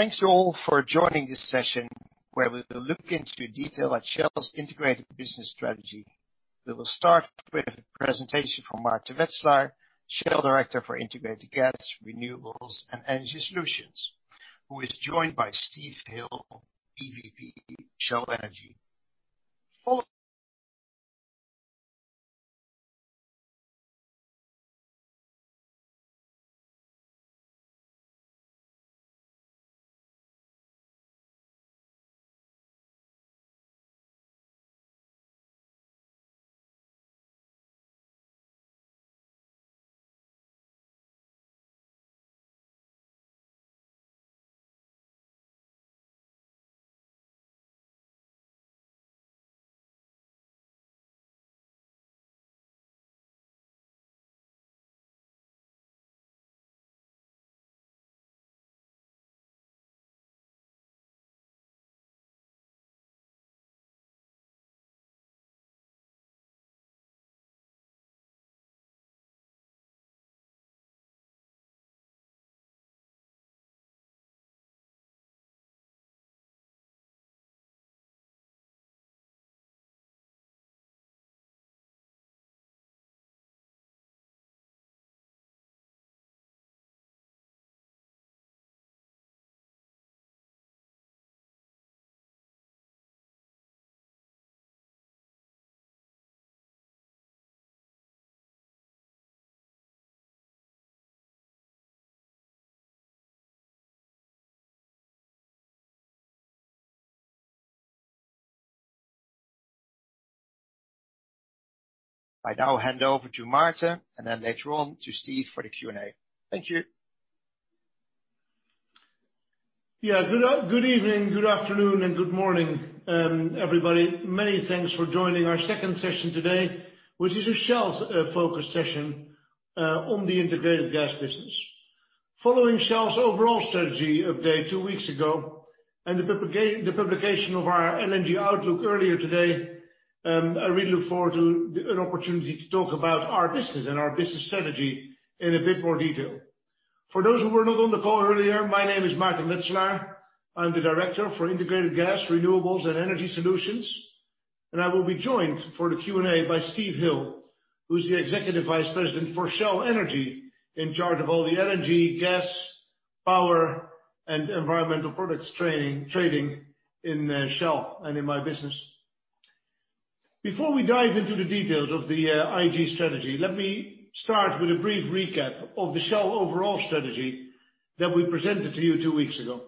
Thanks to all for joining this session where we'll look into detail at Shell's Integrated Business Strategy. We will start with a presentation from Maarten Wetselaar, Shell Director for Integrated Gas, Renewables, and Energy Solutions, who is joined by Steve Hill, EVP Shell Energy. I now hand over to Maarten, and then later on to Steve for the Q&A. Thank you. Yeah. Good evening, good afternoon, and good morning, everybody. Many thanks for joining our second session today, which is a Shell's focus session on the Integrated Gas business. Following Shell's overall strategy update two weeks ago and the publication of our LNG outlook earlier today, I really look forward to an opportunity to talk about our business and our business strategy in a bit more detail. For those who were not on the call earlier, my name is Maarten Wetselaar. I'm the Director for Integrated Gas, Renewables, and Energy Solutions, and I will be joined for the Q&A by Steve Hill, who's the Executive Vice President for Shell Energy, in charge of all the energy, gas, power, and environmental products trading in Shell and in my business. Before we dive into the details of the IG strategy, let me start with a brief recap of the Shell overall strategy that we presented to you two weeks ago.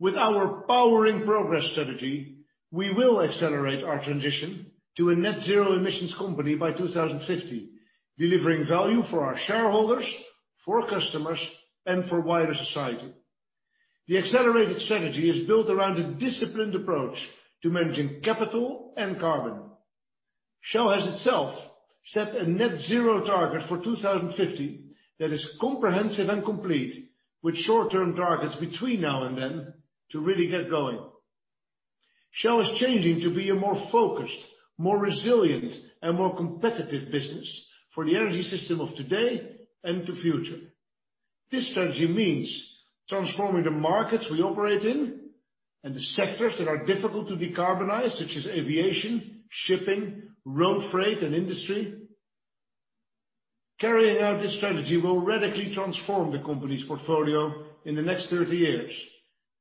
With our Powering Progress strategy, we will accelerate our transition to a net zero emissions company by 2050, delivering value for our shareholders, for customers, and for wider society. The accelerated strategy is built around a disciplined approach to managing capital and carbon. Shell has itself set a net zero target for 2050 that is comprehensive and complete, with short-term targets between now and then to really get going. Shell is changing to be a more focused, more resilient, and more competitive business for the energy system of today and the future. This strategy means transforming the markets we operate in and the sectors that are difficult to decarbonize, such as aviation, shipping, road freight, and industry. Carrying out this strategy will radically transform the company's portfolio in the next 30 years.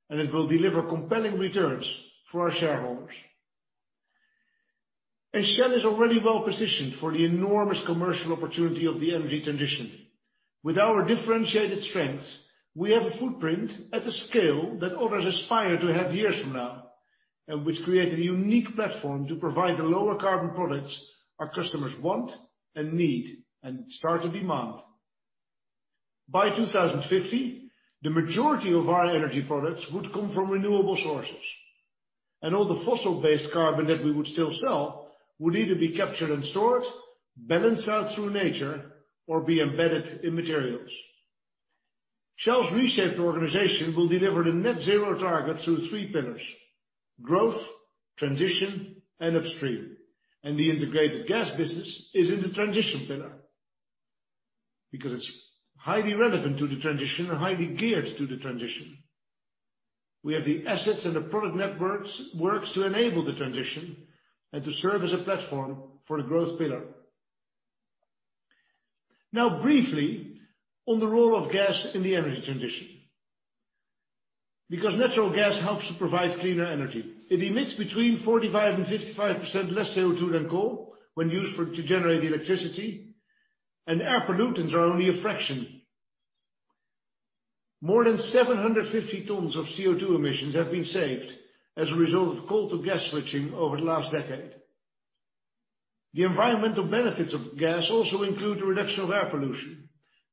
It will deliver compelling returns for our shareholders. Shell is already well-positioned for the enormous commercial opportunity of the energy transition. With our differentiated strengths, we have a footprint at the scale that others aspire to have years from now, and which create a unique platform to provide the lower carbon products our customers want and need, and start to demand. By 2050, the majority of our energy products would come from renewable sources. All the fossil-based carbon that we would still sell would either be captured and stored, balanced out through nature, or be embedded in materials. Shell's reshaped organization will deliver the net zero target through three pillars, growth, transition, and upstream. The integrated gas business is in the transition pillar because it's highly relevant to the transition and highly geared to the transition. We have the assets and the product networks to enable the transition and to serve as a platform for the growth pillar. Briefly on the role of gas in the energy transition. Natural gas helps to provide cleaner energy, it emits between 45% and 55% less CO2 than coal when used to generate electricity, and air pollutants are only a fraction. More than 750 tons of CO2 emissions have been saved as a result of coal to gas switching over the last decade. The environmental benefits of gas also include the reduction of air pollution.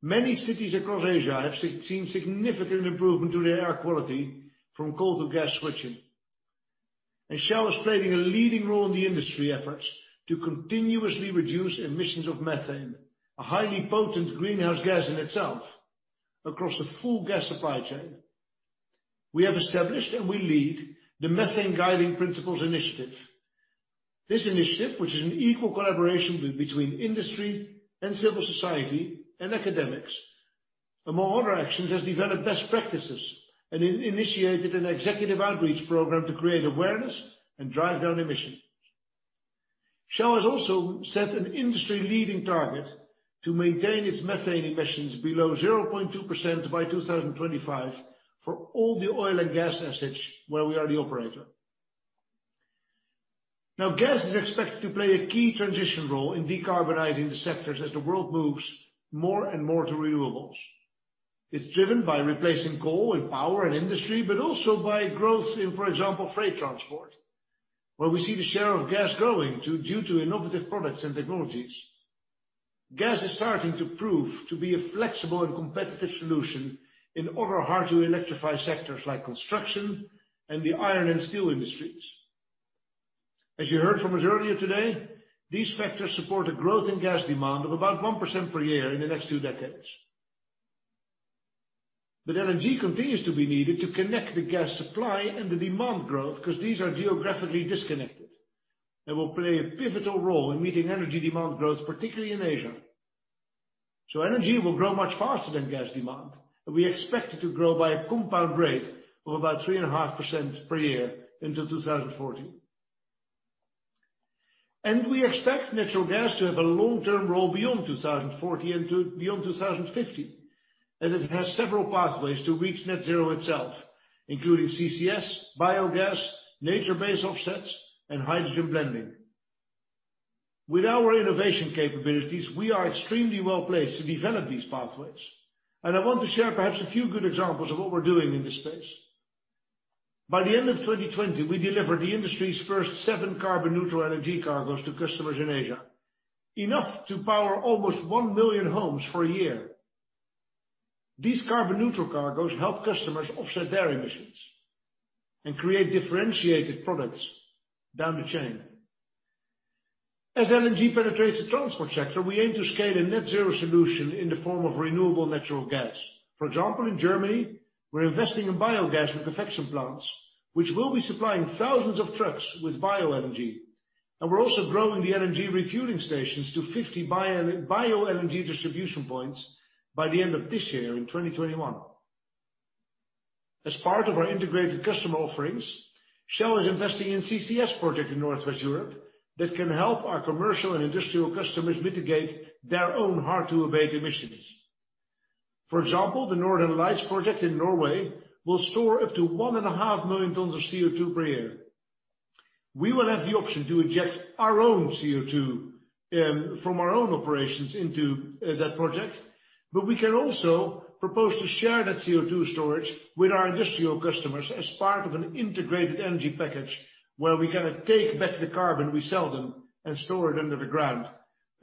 Many cities across Asia have seen significant improvement to their air quality from coal to gas switching. Shell is playing a leading role in the industry efforts to continuously reduce emissions of methane, a highly potent greenhouse gas in itself, across the full gas supply chain. We have established and we lead the Methane Guiding Principles initiative. This initiative, which is an equal collaboration between industry and civil society and academics, among other actions, has developed best practices and initiated an executive outreach program to create awareness and drive down emissions. Shell has also set an industry-leading target to maintain its methane emissions below 0.2% by 2025 for all the oil and gas assets where we are the operator. Gas is expected to play a key transition role in decarbonizing the sectors as the world moves more and more to renewables. It is driven by replacing coal and power and industry, also by growth in, for example, freight transport, where we see the share of gas growing due to innovative products and technologies. Gas is starting to prove to be a flexible and competitive solution in other hard-to-electrify sectors, like construction and the iron and steel industries. As you heard from us earlier today, these factors support a growth in gas demand of about 1% per year in the next two decades. LNG continues to be needed to connect the gas supply and the demand growth because these are geographically disconnected and will play a pivotal role in meeting energy demand growth, particularly in Asia. LNG will grow much faster than gas demand, and we expect it to grow by a compound rate of about 3.5% per year until 2040. We expect natural gas to have a long-term role beyond 2040 and beyond 2050, as it has several pathways to reach net zero itself, including CCS, biogas, nature-based offsets, and hydrogen blending. With our innovation capabilities, we are extremely well-placed to develop these pathways. I want to share perhaps a few good examples of what we're doing in this space. By the end of 2020, we delivered the industry's first seven carbon-neutral LNG cargoes to customers in Asia, enough to power almost 1 million homes for a year. These carbon-neutral cargoes help customers offset their emissions and create differentiated products down the chain. As LNG penetrates the transport sector, we aim to scale a net-zero solution in the form of renewable natural gas. For example, in Germany, we're investing in biogas liquefaction plants, which will be supplying thousands of trucks with BioLNG. We're also growing the LNG refueling stations to 50 BioLNG distribution points by the end of this year in 2021. As part of our integrated customer offerings, Shell is investing in CCS project in Northwest Europe that can help our commercial and industrial customers mitigate their own hard-to-abate emissions. For example, the Northern Lights project in Norway will store up to 1.5 million tons of CO2 per year. We will have the option to inject our own CO2 from our own operations into that project, but we can also propose to share that CO2 storage with our industrial customers as part of an integrated energy package where we take back the carbon we sell them and store it under the ground.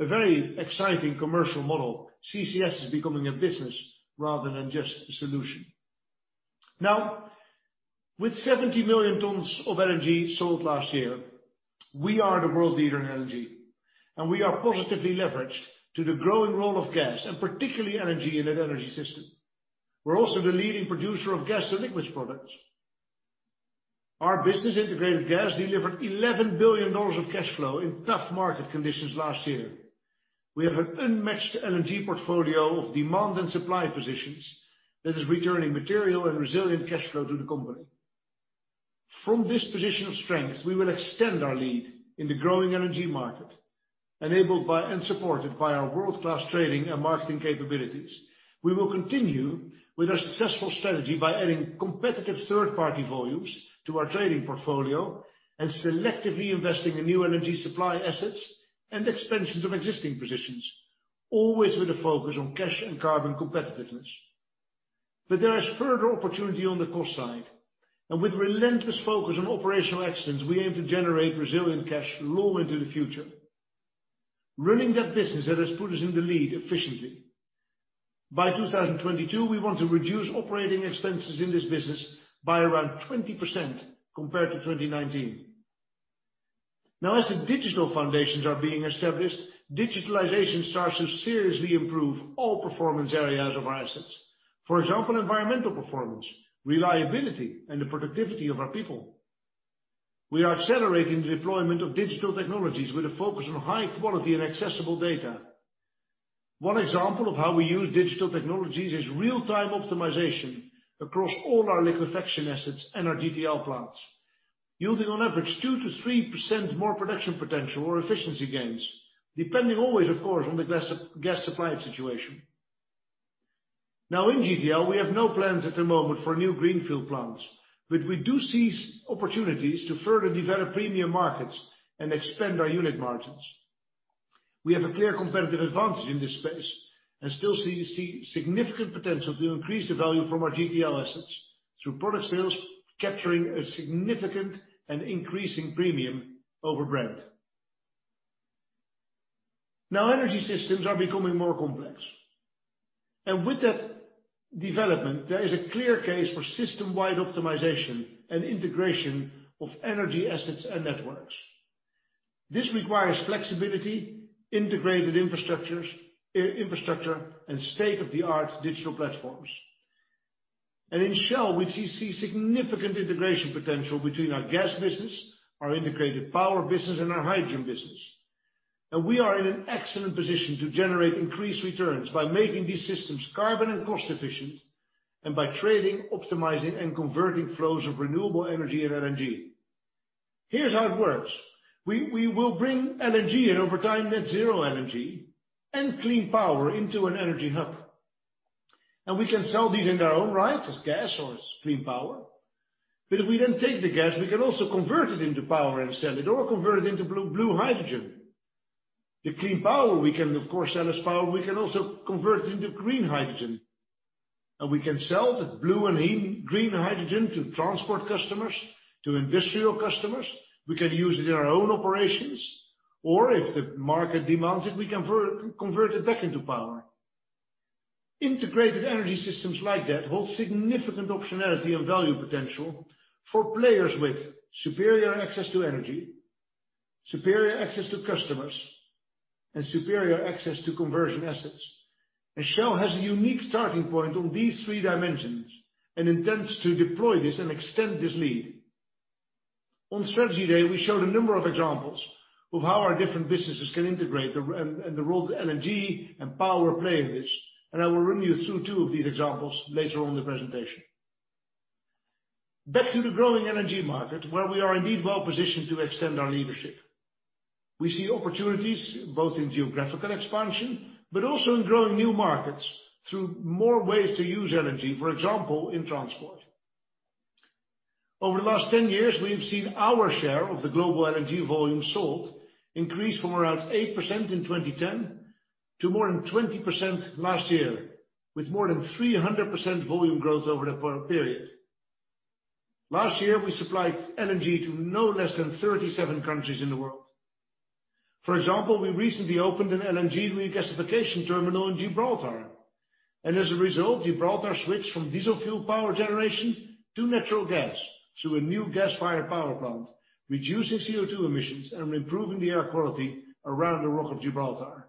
A very exciting commercial model. CCS is becoming a business rather than just a solution. Now, with 70 million tons of LNG sold last year, we are the world leader in LNG, and we are positively leveraged to the growing role of gas and particularly LNG in that energy system. We're also the leading producer of gas-to-liquids products. Our business Integrated Gas delivered $11 billion of cash flow in tough market conditions last year. We have an unmatched LNG portfolio of demand and supply positions that is returning material and resilient cash flow to the company. From this position of strength, we will extend our lead in the growing LNG market, enabled by and supported by our world-class trading and marketing capabilities. We will continue with our successful strategy by adding competitive third-party volumes to our trading portfolio and selectively investing in new LNG supply assets and expansions of existing positions, always with a focus on cash and carbon competitiveness. There is further opportunity on the cost side. With relentless focus on operational excellence, we aim to generate resilient cash long into the future. Running that business that has put us in the lead efficiently. By 2022, we want to reduce operating expenses in this business by around 20% compared to 2019. As the digital foundations are being established, digitalization starts to seriously improve all performance areas of our assets. For example, environmental performance, reliability, and the productivity of our people. We are accelerating the deployment of digital technologies with a focus on high quality and accessible data. One example of how we use digital technologies is real-time optimization across all our liquefaction assets and our GTL plants, yielding on average 2%-3% more production potential or efficiency gains, depending always, of course, on the gas supply situation. In GTL, we have no plans at the moment for new greenfield plants, but we do seize opportunities to further develop premium markets and expand our unit margins. We have a clear competitive advantage in this space and still see significant potential to increase the value from our GTL assets through product sales capturing a significant and increasing premium over Brent. Energy systems are becoming more complex. With that development, there is a clear case for system-wide optimization and integration of energy assets and networks. This requires flexibility, integrated infrastructure, and state-of-the-art digital platforms. In Shell, we see significant integration potential between our gas business, our integrated power business, and our hydrogen business. We are in an excellent position to generate increased returns by making these systems carbon and cost efficient, and by trading, optimizing, and converting flows of renewable energy and LNG. Here's how it works. We will bring LNG, and over time, net zero energy and clean power into an energy hub. We can sell these in their own rights as gas or as clean power. If we then take the gas, we can also convert it into power and sell it or convert it into blue hydrogen. The clean power, we can, of course, sell as power, we can also convert into green hydrogen. We can sell the blue and green hydrogen to transport customers, to industrial customers, we can use it in our own operations, or if the market demands it, we convert it back into power. Integrated energy systems like that hold significant optionality and value potential for players with superior access to energy, superior access to customers, and superior access to conversion assets. Shell has a unique starting point on these three dimensions, and intends to deploy this and extend this lead. On Strategy Day, we showed a number of examples of how our different businesses can integrate and the role that LNG and power play in this. I will run you through two of these examples later on in the presentation. Back to the growing energy market, where we are indeed well-positioned to extend our leadership. We see opportunities both in geographical expansion, but also in growing new markets through more ways to use energy, for example, in transport. Over the last 10 years, we have seen our share of the global LNG volume sold increase from around 8% in 2010 to more than 20% last year. With more than 300% volume growth over that period. Last year, we supplied LNG to no less than 37 countries in the world. For example, we recently opened an LNG regasification terminal in Gibraltar. As a result, Gibraltar switched from diesel fuel power generation to natural gas through a new gas-fired power plant, reducing CO2 emissions and improving the air quality around the Rock of Gibraltar.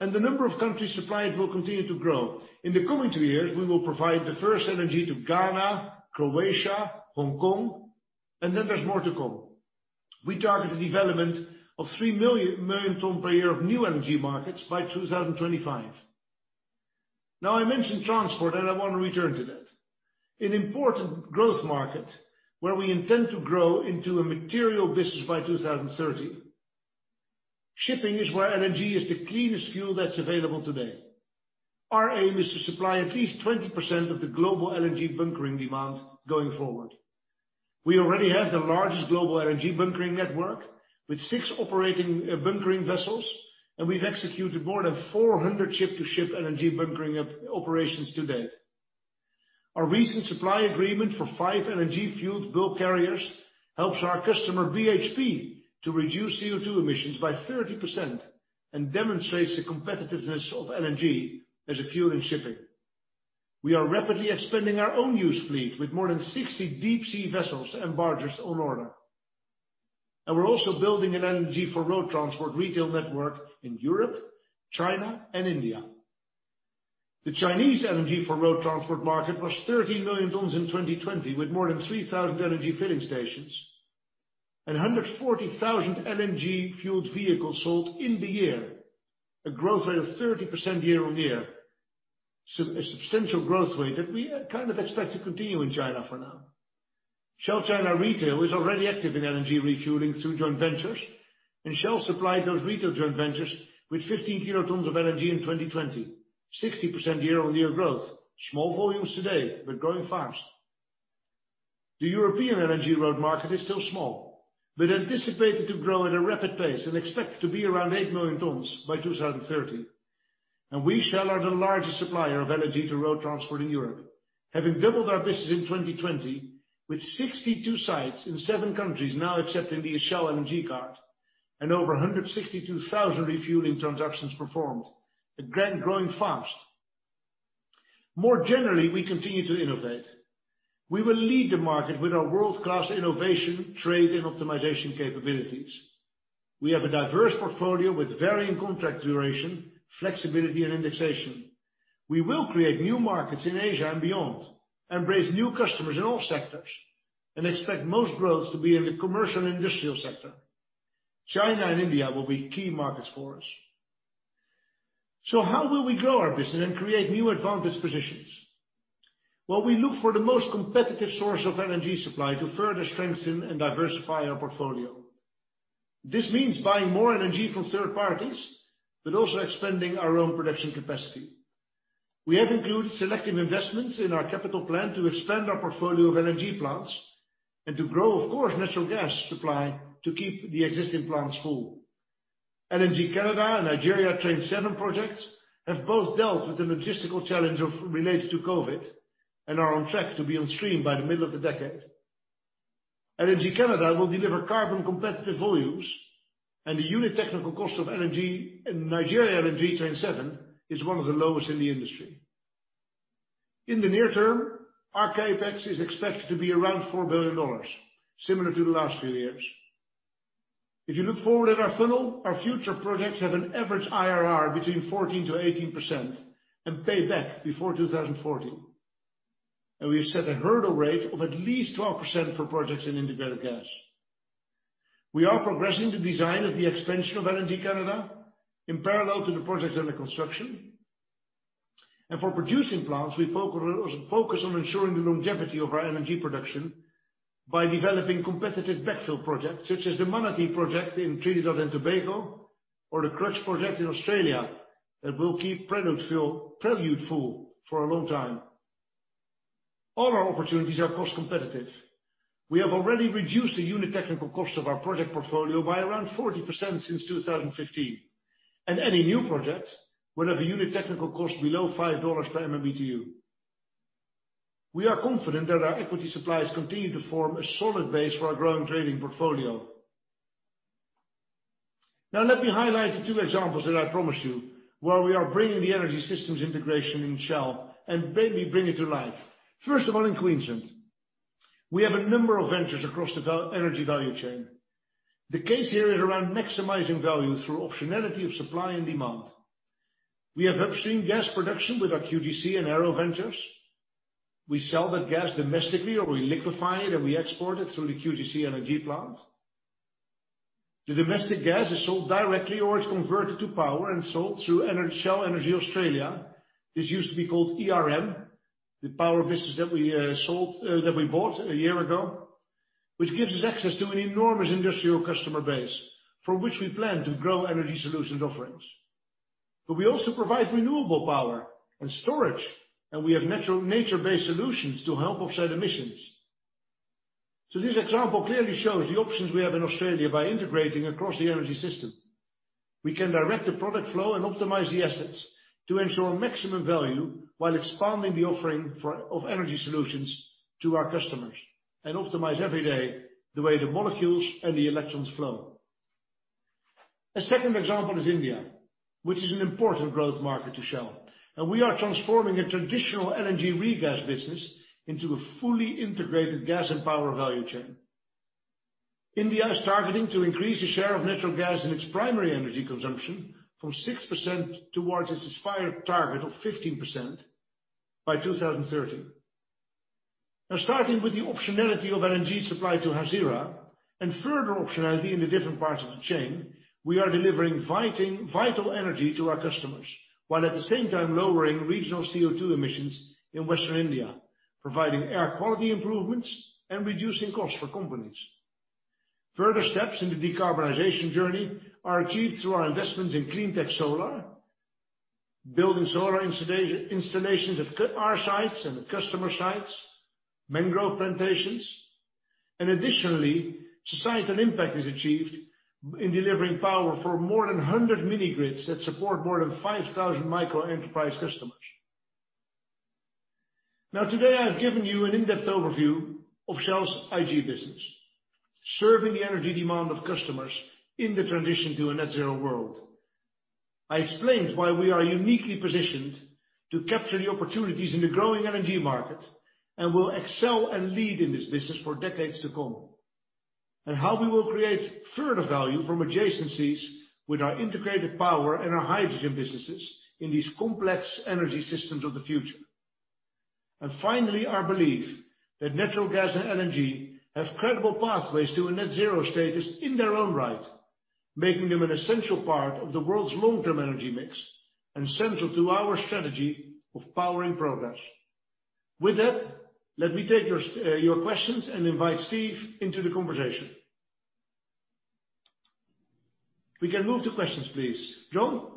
The number of countries supplied will continue to grow. In the coming two years, we will provide the first LNG to Ghana, Croatia, Hong Kong, and then there's more to come. We target the development of three million tons per year of new LNG markets by 2025. Now, I mentioned transport, and I want to return to that, an important growth market where we intend to grow into a material business by 2030. Shipping is where LNG is the cleanest fuel that's available today. Our aim is to supply at least 20% of the global LNG bunkering demand going forward. We already have the largest global LNG bunkering network with 6 operating bunkering vessels, and we've executed more than 400 ship-to-ship LNG bunkering operations to date. Our recent supply agreement for 5 LNG-fueled bulk carriers helps our customer, BHP, to reduce CO2 emissions by 30% and demonstrates the competitiveness of LNG as a fuel in shipping. We are rapidly expanding our own use fleet with more than 60 deep sea vessels and barges on order. We're also building an LNG for road transport retail network in Europe, China, and India. The Chinese LNG for road transport market was 30 million tons in 2020, with more than 3,000 LNG filling stations and 140,000 LNG-fueled vehicles sold in the year, a growth rate of 30% year-on-year. A substantial growth rate that we kind of expect to continue in China for now. Shell China Retail is already active in LNG refueling through joint ventures. Shell supplied those retail joint ventures with 15 kilotons of LNG in 2020, 60% year-on-year growth. Small volumes today, growing fast. The European LNG road market is still small, anticipated to grow at a rapid pace and expected to be around 8 million tons by 2030. We, Shell, are the largest supplier of LNG to road transport in Europe, having doubled our business in 2020 with 62 sites in seven countries now accepting the Shell LNG card, and over 162,000 refueling transactions performed. Again, growing fast. More generally, we continue to innovate. We will lead the market with our world-class innovation, trade, and optimization capabilities. We have a diverse portfolio with varying contract duration, flexibility, and indexation. We will create new markets in Asia and beyond, embrace new customers in all sectors, and expect most growth to be in the commercial and industrial sector. China and India will be key markets for us. How will we grow our business and create new advantage positions? Well, we look for the most competitive source of LNG supply to further strengthen and diversify our portfolio. This means buying more LNG from third parties, but also expanding our own production capacity. We have included selective investments in our capital plan to expand our portfolio of LNG plants and to grow, of course, natural gas supply to keep the existing plants full. LNG Canada and Nigeria Train 7 projects have both dealt with the logistical challenge related to COVID and are on track to be on stream by the middle of the decade. LNG Canada will deliver carbon competitive volumes, and the unit technical cost of LNG in Nigeria LNG Train 7 is one of the lowest in the industry. In the near term, our Capex is expected to be around $4 billion, similar to the last few years. If you look forward at our funnel, our future projects have an average IRR between 14%-18% and pay back before 2040. We've set a hurdle rate of at least 12% for projects in Integrated Gas. We are progressing the design of the expansion of LNG Canada in parallel to the projects under construction. For producing plants, we focus on ensuring the longevity of our LNG production by developing competitive backfill projects such as the Manatee project in Trinidad and Tobago or the Crux project in Australia that will keep Prelude full for a long time. All our opportunities are cost competitive. We have already reduced the unit technical cost of our project portfolio by around 40% since 2015, and any new project will have a unit technical cost below $5 per MMBtu. We are confident that our equity suppliers continue to form a solid base for our growing trading portfolio. Now let me highlight the two examples that I promised you, where we are bringing the energy systems integration in Shell and bringing it to life. First of all, in Queensland. We have a number of ventures across the energy value chain. The case here is around maximizing value through optionality of supply and demand. We have upstream gas production with our QGC and Arrow ventures. We sell that gas domestically or we liquefy it, and we export it through the QCLNG plant. The domestic gas is sold directly or is converted to power and sold through Shell Energy Australia. This used to be called ERM, the power business that we bought a year ago. Which gives us access to an enormous industrial customer base from which we plan to grow energy solutions offerings. We also provide renewable power and storage, and we have nature-based solutions to help offset emissions. This example clearly shows the options we have in Australia by integrating across the energy system. We can direct the product flow and optimize the assets to ensure maximum value while expanding the offering of energy solutions to our customers and optimize every day the way the molecules and the electrons flow. A second example is India, which is an important growth market to Shell, and we are transforming a traditional LNG regas business into a fully integrated gas and power value chain. India is targeting to increase the share of natural gas in its primary energy consumption from 6% towards its aspired target of 15% by 2030. Starting with the optionality of LNG supply to Hazira and further optionality in the different parts of the chain, we are delivering vital energy to our customers, while at the same time lowering regional CO2 emissions in Western India, providing air quality improvements and reducing costs for companies. Further steps in the decarbonization journey are achieved through our investments in Cleantech Solar, building solar installations at our sites and customer sites, mangrove plantations. Additionally, societal impact is achieved in delivering power for more than 100 mini grids that support more than 5,000 micro enterprise customers. Today, I've given you an in-depth overview of Shell's IG business, serving the energy demand of customers in the transition to a net zero world. I explained why we are uniquely positioned to capture the opportunities in the growing energy market and will excel and lead in this business for decades to come, how we will create further value from adjacencies with our integrated power and our hydrogen businesses in these complex energy systems of the future. Finally, our belief that natural gas and LNG have credible pathways to a net zero status in their own right, making them an essential part of the world's long-term energy mix and central to our strategy of Powering Progress. With that, let me take your questions and invite Steve into the conversation. We can move to questions, please. John?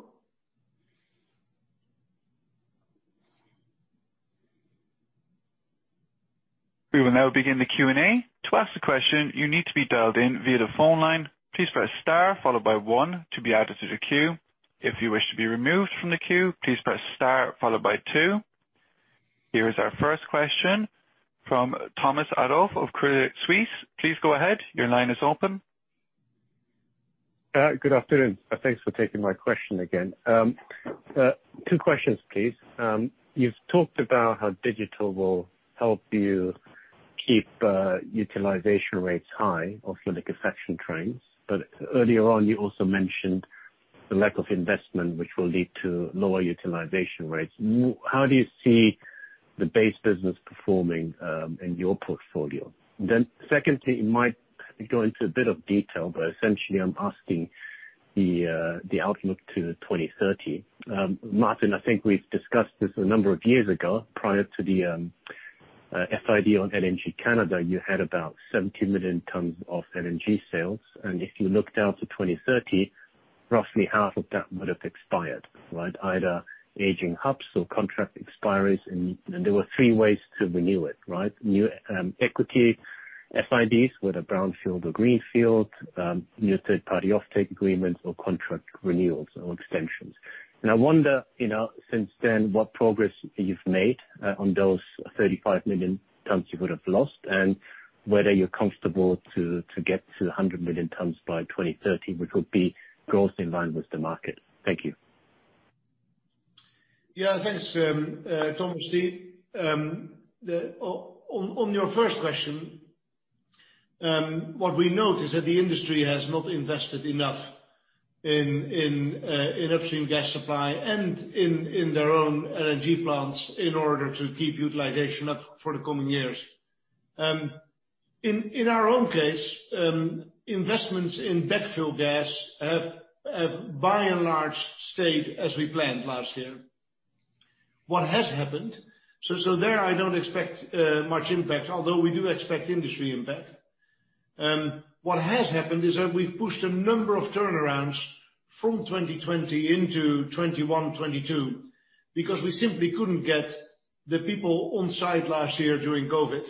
We will now begin the Q&A. To ask the question, you need to be dialed in via the phone line. Please press star followed by one to be added to the queue. If you wish to be removed from the queue, please press star followed by two. Here is our first question from Thomas Adolff of Credit Suisse. Please go ahead. Your line is open. Good afternoon. Thanks for taking my question again. Two questions, please. You've talked about how digital will help you keep utilization rates high of your liquefaction trains. Earlier on, you also mentioned the lack of investment, which will lead to lower utilization rates. How do you see the base business performing in your portfolio? Secondly, you might go into a bit of detail, but essentially, I'm asking the outlook to 2030. Maarten, I think we've discussed this a number of years ago. Prior to the FID on LNG Canada, you had about 70 million tons of LNG sales. If you looked out to 2030, roughly half of that would have expired, right? Either aging hubs or contract expiries. There were three ways to renew it. New equity FIDs, whether brownfield or greenfield, new third-party offtake agreements or contract renewals or extensions. I wonder, since then, what progress you've made on those 35 million tons you would have lost and whether you're comfortable to get to the 100 million tons by 2030, which would be grossly in line with the market. Thank you. Yeah, thanks, Thomas, Steve. On your first question, what we note is that the industry has not invested enough in upstream gas supply and in their own LNG plants in order to keep utilization up for the coming years. In our own case, investments in backfill gas have by and large stayed as we planned last year. There I don't expect much impact, although we do expect industry impact. What has happened is that we've pushed a number of turnarounds from 2020 into 2021, 2022, because we simply couldn't get the people on site last year during COVID.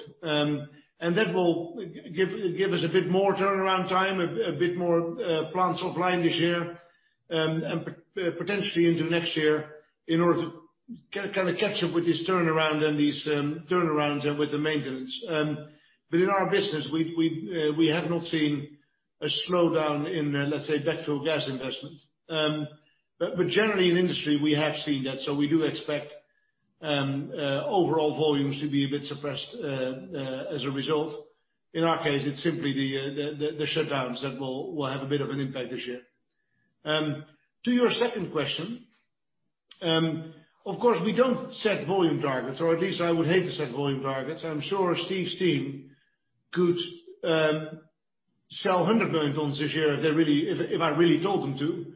That will give us a bit more turnaround time, a bit more plants offline this year, and potentially into next year in order to kind of catch up with this turnaround, and these turnarounds and with the maintenance. In our business, we have not seen a slowdown in, let's say, backfill gas investments. Generally in the industry, we have seen that. We do expect overall volumes to be a bit suppressed as a result. In our case, it's simply the shutdowns that will have a bit of an impact this year. To your second question, of course, we don't set volume targets, or at least I would hate to set volume targets. I'm sure Steve's team could sell 100 million tons this year if I really told them to.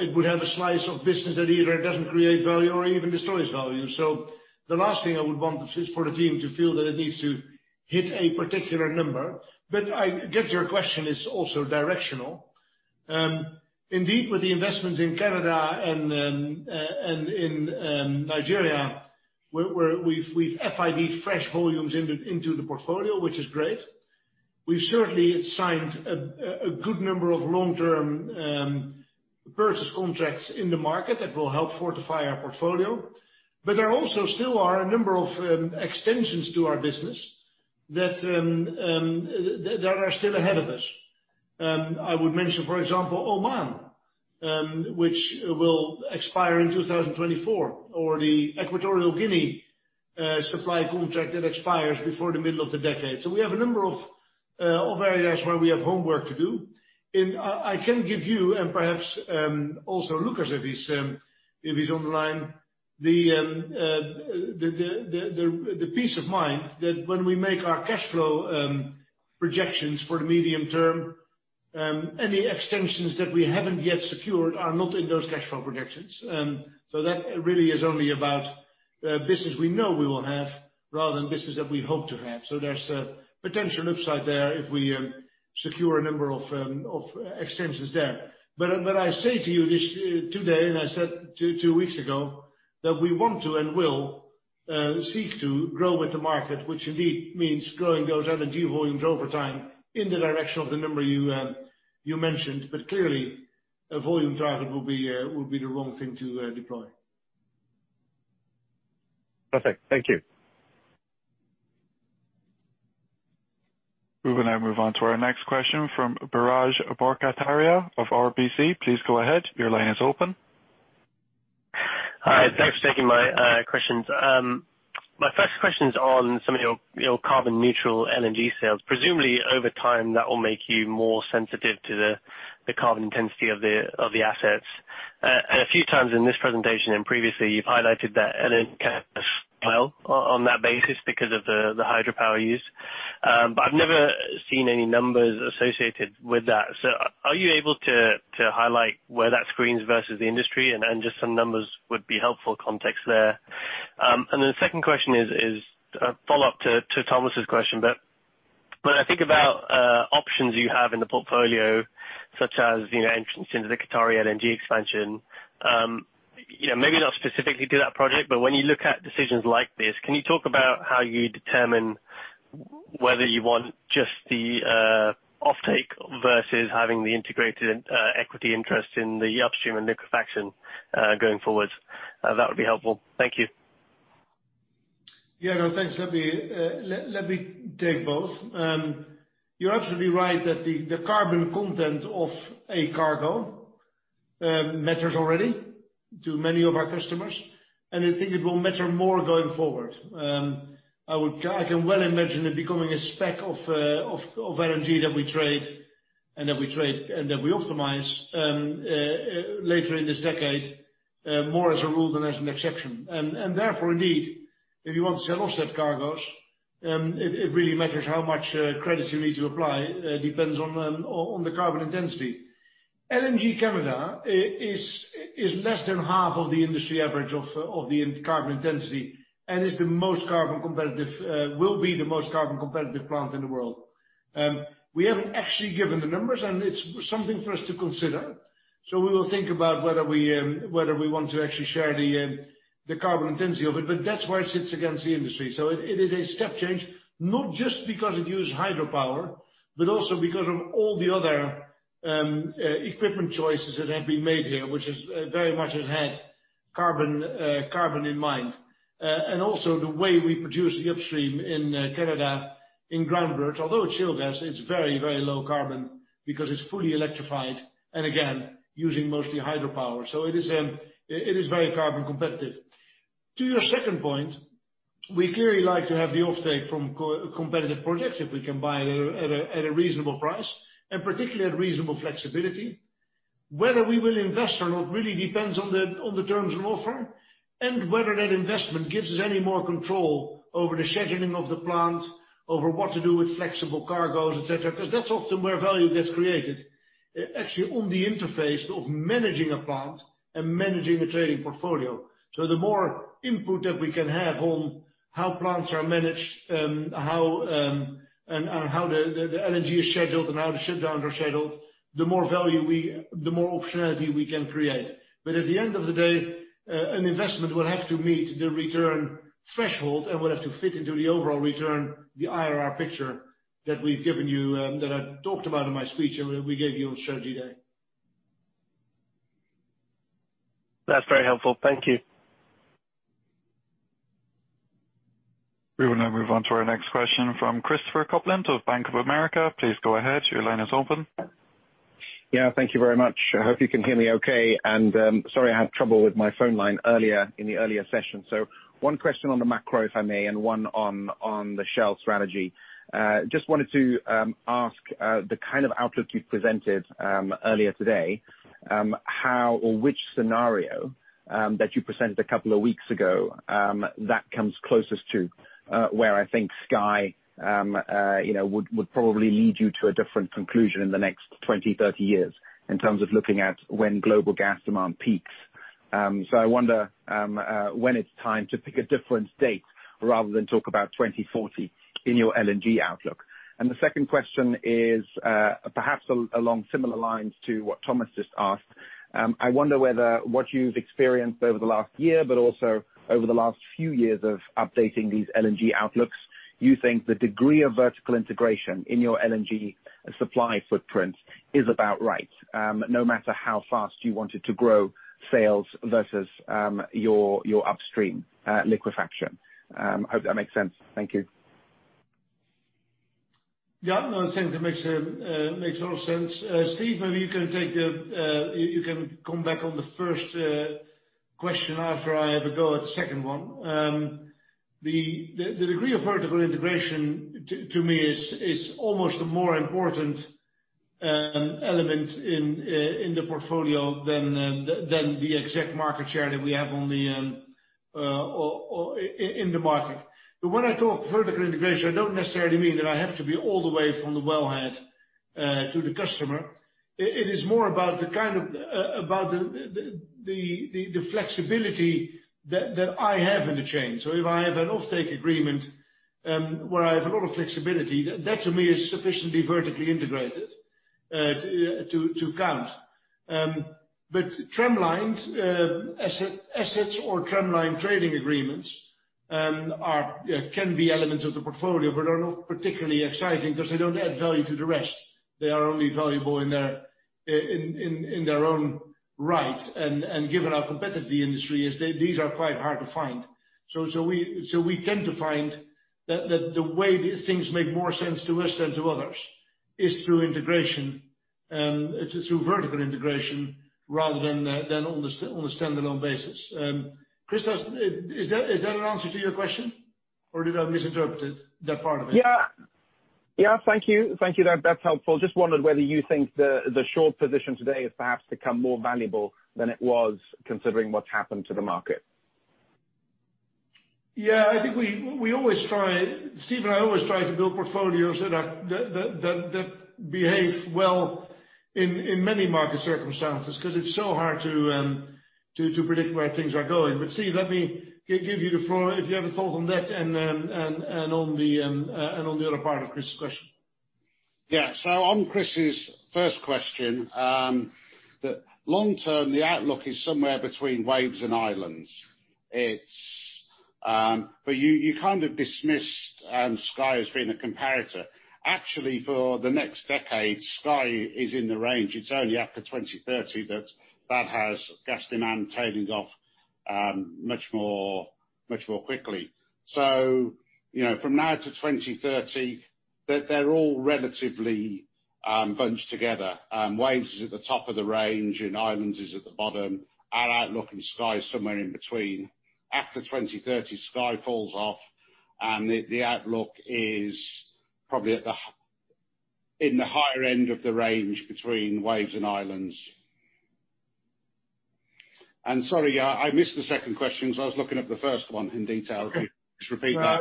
It would have a slice of business that either doesn't create value or even destroys value. The last thing I would want is for the team to feel that it needs to hit a particular number. I get your question is also directional. With the investments in Canada and in Nigeria, where we've FID fresh volumes into the portfolio, which is great. We've certainly signed a good number of long-term purchase contracts in the market that will help fortify our portfolio. There also still are a number of extensions to our business that are still ahead of us. I would mention, for example, Oman, which will expire in 2024, or the Equatorial Guinea supply contract that expires before the middle of the decade. We have a number of areas where we have homework to do. I can give you, and perhaps also Lucas if he's online, the peace of mind that when we make our cash flow projections for the medium term, any extensions that we haven't yet secured are not in those cash flow projections. That really is only about business we know we will have rather than business that we hope to have. There's a potential upside there if we secure a number of extensions there. I say to you today, and I said two weeks ago, that we want to and will seek to grow with the market, which indeed means growing those LNG volumes over time in the direction of the number you mentioned. Clearly, a volume target would be the wrong thing to deploy. Perfect. Thank you. We will now move on to our next question from Biraj Borkhataria of RBC. Please go ahead. Your line is open. Hi. Thanks for taking my questions. My first question is on some of your carbon neutral LNG sales. Presumably over time, that will make you more sensitive to the carbon intensity of the assets. A few times in this presentation and previously, you've highlighted that well on that basis because of the hydropower use. I've never seen any numbers associated with that. Are you able to highlight where that screens versus the industry and just some numbers would be helpful context there. Then the second question is a follow-up to Thomas question. I think about options you have in the portfolio, such as entrance into the Qatari LNG expansion. Maybe not specifically to that project, but when you look at decisions like this, can you talk about how you determine whether you want just the offtake versus having the integrated equity interest in the upstream and liquefaction, going forward? That would be helpful. Thank you. Yeah. No, thanks. Let me take both. You're absolutely right that the carbon content of a cargo matters already to many of our customers, and I think it will matter more going forward. I can well imagine it becoming a spec of LNG that we trade and that we optimize later in this decade more as a rule than as an exception. Therefore, indeed, if you want to sell offset cargos, it really matters how much credits you need to apply. Depends on the carbon intensity. LNG Canada is less than half of the industry average of the carbon intensity and will be the most carbon competitive plant in the world. We haven't actually given the numbers, and it's something for us to consider. We will think about whether we want to actually share the carbon intensity of it, but that's where it sits against the industry. It is a step change, not just because it uses hydropower, but also because of all the other equipment choices that have been made here, which very much has had carbon in mind. Also, the way we produce the upstream in Canada, in Groundbirch, although it's shale gas, it's very low carbon because it's fully electrified, and again, using mostly hydropower. It is very carbon competitive. To your second point, we clearly like to have the offtake from competitive projects, if we can buy at a reasonable price, and particularly at reasonable flexibility. Whether we will invest or not really depends on the terms on offer, and whether that investment gives us any more control over the scheduling of the plant, over what to do with flexible cargos, et cetera. That's often where value gets created, actually on the interface of managing a plant and managing a trading portfolio. The more input that we can have on how plants are managed, and how the LNG is scheduled and how the shutdowns are scheduled, the more optionality we can create. At the end of the day, an investment will have to meet the return threshold and will have to fit into the overall return, the IRR picture that I talked about in my speech and we gave you on strategy day. That's very helpful. Thank you. We will now move on to our next question from Christopher Kuplent of Bank of America. Please go ahead, your line is open. Thank you very much. I hope you can hear me okay. Sorry, I had trouble with my phone line earlier in the earlier session. One question on the macro, if I may, and one on the Shell strategy. Just wanted to ask, the kind of outlook you presented earlier today, how or which scenario that you presented a couple of weeks ago, that comes closest to where I think Sky would probably lead you to a different conclusion in the next 20, 30 years in terms of looking at when global gas demand peaks. I wonder when it's time to pick a different date rather than talk about 2040 in your LNG outlook. The second question is, perhaps along similar lines to what Thomas just asked. I wonder whether what you've experienced over the last year, but also over the last few years of updating these LNG outlooks, you think the degree of vertical integration in your LNG supply footprint is about right, no matter how fast you wanted to grow sales versus your upstream liquefaction? I hope that makes sense. Thank you. Yeah, no, I think that makes a lot of sense. Steve, maybe you can come back on the first question after I have a go at the second one. The degree of vertical integration to me is almost a more important element in the portfolio than the exact market share that we have in the market. When I talk vertical integration, I don't necessarily mean that I have to be all the way from the wellhead to the customer. It is more about the flexibility that I have in the chain. If I have an offtake agreement, where I have a lot of flexibility, that to me is sufficiently vertically integrated to count. Assets or trend line trading agreements can be elements of the portfolio, but are not particularly exciting because they don't add value to the rest. They are only valuable in their own right. Given how competitive the industry is, these are quite hard to find. We tend to find that the way these things make more sense to us than to others is through vertical integration rather than on a standalone basis. Chris, is that an answer to your question? Or did I misinterpret that part of it? Yeah. Thank you. That's helpful. Just wondered whether you think the short position today has perhaps become more valuable than it was, considering what's happened to the market. I think Steve and I always try to build portfolios that behave well in many market circumstances, because it's so hard to predict where things are going. Steve, let me give you the floor if you have a thought on that, and on the other part of Chris's question. Yeah. On Chris's first question, that long term, the outlook is somewhere between Waves and Islands. You kind of dismissed Sky as being a comparator. Actually, for the next decade, Sky is in the range. It's only after 2030 that that has gas demand tailing off much more quickly. From now to 2030, they're all relatively bunched together. Waves is at the top of the range and Islands is at the bottom. Our outlook and Sky is somewhere in between. After 2030, Sky falls off and the outlook is probably in the higher end of the range between Waves and Islands. Sorry, I missed the second question because I was looking up the first one in detail. Could you just repeat that?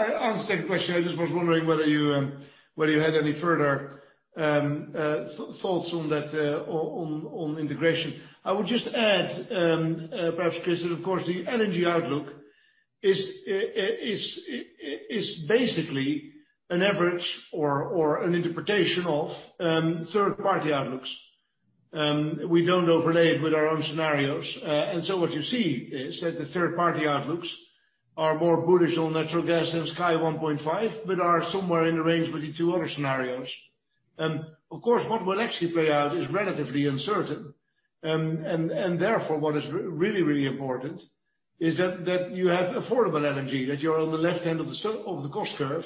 On the second question, I just was wondering whether you had any further thoughts on that, on integration. I would just add, perhaps Chris, that of course the energy outlook is basically an average or an interpretation of third-party outlooks. We don't overlay it with our own scenarios. What you see is that the third-party outlooks are more bullish on natural gas than Sky 1.5, but are somewhere in the range with the two other scenarios. What will actually play out is relatively uncertain. What is really important is that you have affordable energy, that you are on the left end of the cost curve.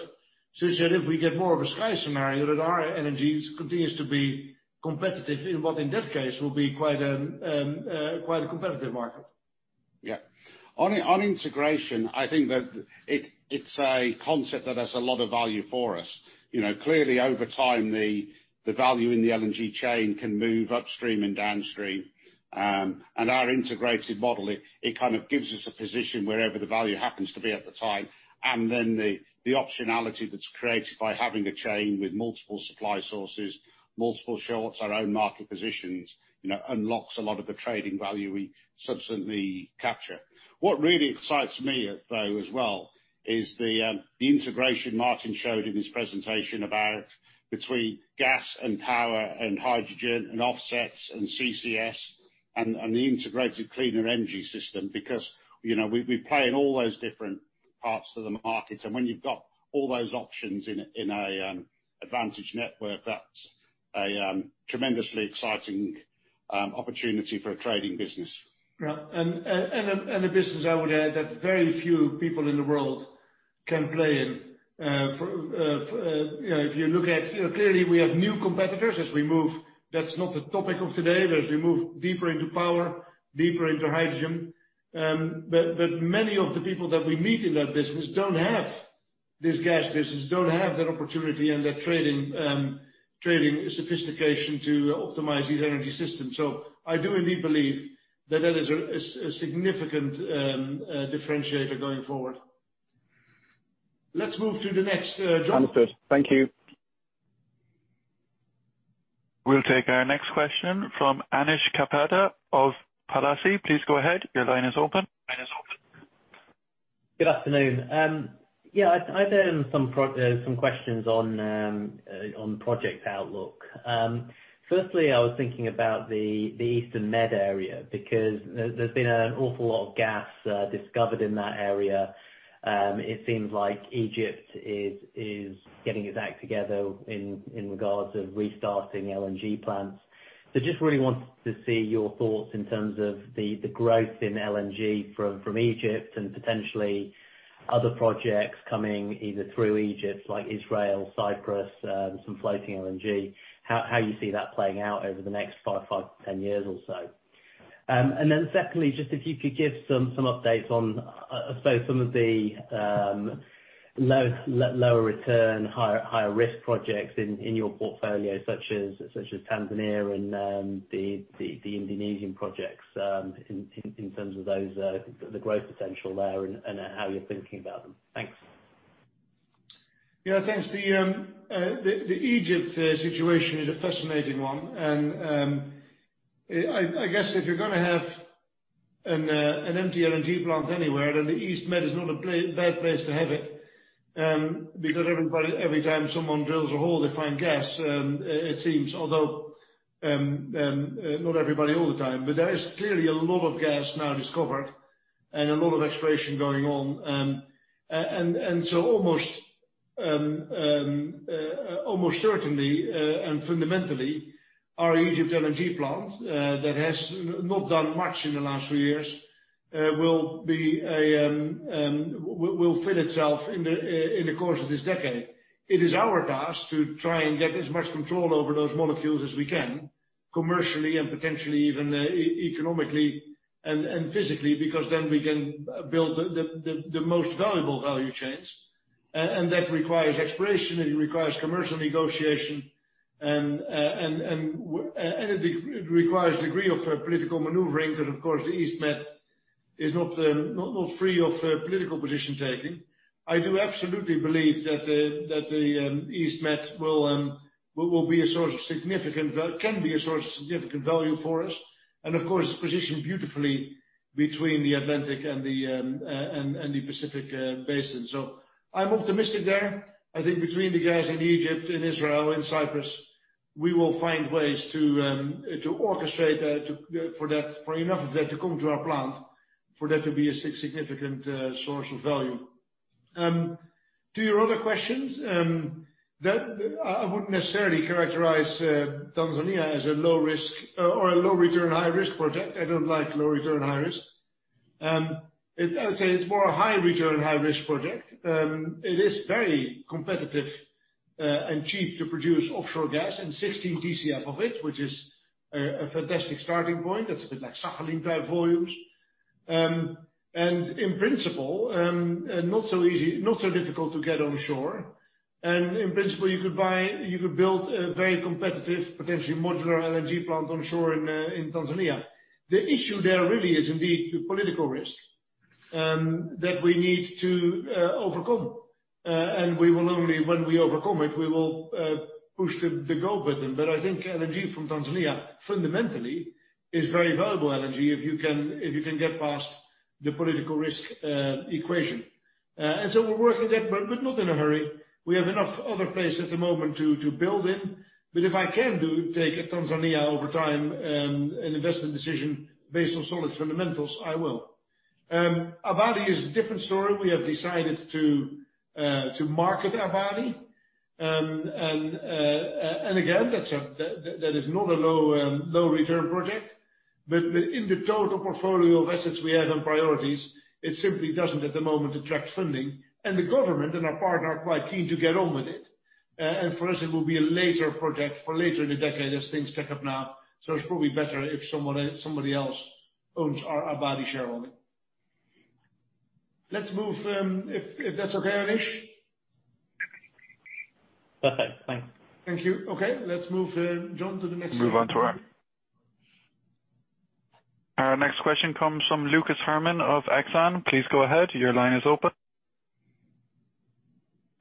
Such that if we get more of a Sky scenario, that our energy continues to be competitive in what, in that case, will be quite a competitive market. Yeah. On integration, I think that it's a concept that has a lot of value for us. Clearly over time, the value in the LNG chain can move upstream and downstream. Our integrated model, it gives us a position wherever the value happens to be at the time. The optionality that's created by having a chain with multiple supply sources, multiple shorts, our own market positions, unlocks a lot of the trading value we subsequently capture. What really excites me, though, as well, is the integration Maarten showed in his presentation about between gas and power and hydrogen and offsets and CCS, and the integrated cleaner energy system. We play in all those different parts of the market. When you've got all those options in a advantage network, that's a tremendously exciting opportunity for a trading business. Yeah. A business, I would add, that very few people in the world can play in. Clearly we have new competitors as we move. That's not the topic of today, but as we move deeper into power, deeper into hydrogen. Many of the people that we meet in that business don't have this gas business, don't have that opportunity and that trading sophistication to optimize these energy systems. I do indeed believe that that is a significant differentiator going forward. Let's move to the next, John. Understood. Thank you. We'll take our next question from Anish Kapadia of Palissy. Please go ahead. Your line is open. Good afternoon. Yeah, I've some questions on project outlook. Firstly, I was thinking about the Eastern Med area, because there's been an awful lot of gas discovered in that area. It seems like Egypt is getting its act together in regards of restarting LNG plants. Just really wanted to see your thoughts in terms of the growth in LNG from Egypt and potentially other projects coming either through Egypt, like Israel, Cyprus, some floating LNG. How you see that playing out over the next 5-10 years or so? Secondly, just if you could give some updates on, I suppose some of the lower return, higher risk projects in your portfolio, such as Tanzania and the Indonesian projects, in terms of those the growth potential there and how you're thinking about them. Thanks. Yeah, thanks. The Egypt situation is a fascinating one. I guess if you're going to have an empty LNG plant anywhere, then the East Med is not a bad place to have it. Every time someone drills a hole, they find gas, it seems. Although, not everybody all the time. There is clearly a lot of gas now discovered and a lot of exploration going on. Almost certainly, and fundamentally, our Egyptian LNG plant, that has not done much in the last few years, will fit itself in the course of this decade. It is our task to try and get as much control over those molecules as we can, commercially and potentially even economically and physically, because then we can build the most valuable value chains. That requires exploration, it requires commercial negotiation, and it requires a degree of political maneuvering, because, of course, the East Med is not free of political position taking. I do absolutely believe that the East Med can be a source of significant value for us. Of course, it's positioned beautifully between the Atlantic and the Pacific basin. I'm optimistic there. I think between the guys in Egypt and Israel and Cyprus, we will find ways to orchestrate for enough of that to come to our plant for that to be a significant source of value. To your other questions, I wouldn't necessarily characterize Tanzania as a low return, high risk project. I don't like low return, high risk. I would say it's more a high return, high risk project. It is very competitive, and cheap to produce offshore gas and 16 TCF of it, which is a fantastic starting point. That's a bit like Sakhalin type volumes. Not so difficult to get onshore. In principle, you could build a very competitive, potentially modular LNG plant onshore in Tanzania. The issue there really is indeed the political risk that we need to overcome. When we overcome it, we will push the go button. I think energy from Tanzania fundamentally is very valuable energy, if you can get past the political risk equation. We're working that, but not in a hurry. We have enough other places at the moment to build in. If I can take Tanzania over time, an investment decision based on solid fundamentals, I will. Abadi is a different story. We have decided to market Abadi. Again, that is not a low return project, but in the total portfolio of assets we have on priorities, it simply doesn't at the moment attract funding. The government and our partner are quite keen to get on with it. For us, it will be a later project for later in the decade as things stack up now. It's probably better if somebody else owns our Abadi shareholding. Let's move, if that's okay, Anish? Perfect. Thanks. Thank you. Okay, let's move, John, to the next. Move on to our next question comes from Lucas Herrmann of Exane. Please go ahead. Your line is open.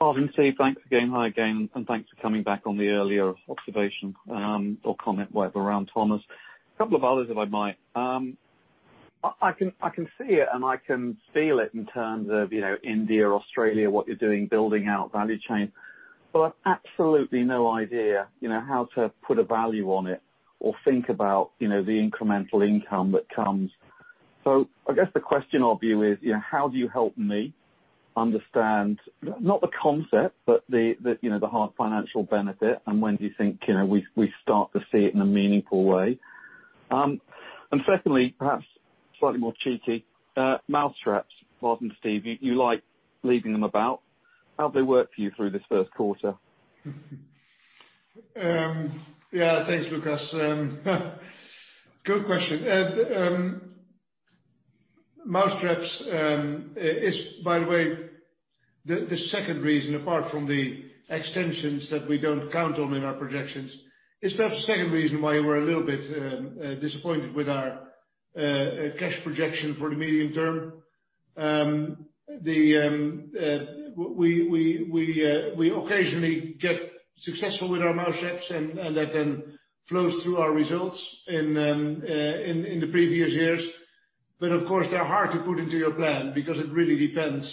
Morning, Steve. Thanks again. Hi again, and thanks for coming back on the earlier observation, or comment right around Thomas. A couple of others, if I might. I can see it and I can feel it in terms of India, Australia, what you're doing building out value chain. I've absolutely no idea how to put a value on it or think about the incremental income that comes. I guess the question of you is, how do you help me understand not the concept, but the hard financial benefit, and when do you think we start to see it in a meaningful way? Secondly, perhaps slightly more cheeky, mousetraps, Mark and Steve, you like leaving them about. How have they worked for you through this first quarter. Yeah. Thanks, Lucas. Good question. Mousetraps is, by the way, the second reason, apart from the extensions that we don't count on in our projections, is perhaps the second reason why we're a little bit disappointed with our cash projection for the medium term. We occasionally get successful with our mousetraps, and that then flows through our results in the previous years. Of course, they're hard to put into your plan because it really depends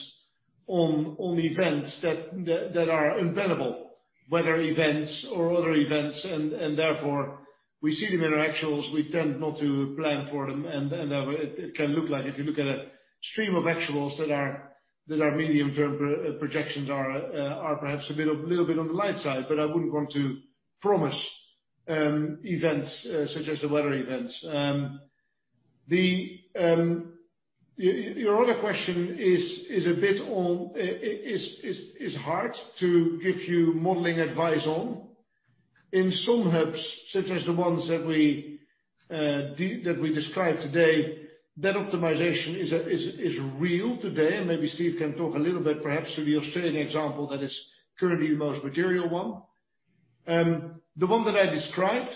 on events that are unpredictable, weather events or other events, and therefore we see them in our actuals. We tend not to plan for them, and it can look like if you look at a stream of actuals that our medium-term projections are perhaps a little bit on the light side, I wouldn't want to promise events such as the weather events. Your other question is hard to give you modeling advice on. In some hubs, such as the ones that we described today, net optimization is real today. Maybe Steve can talk a little bit, perhaps to the Australian example that is currently the most material one. The one that I described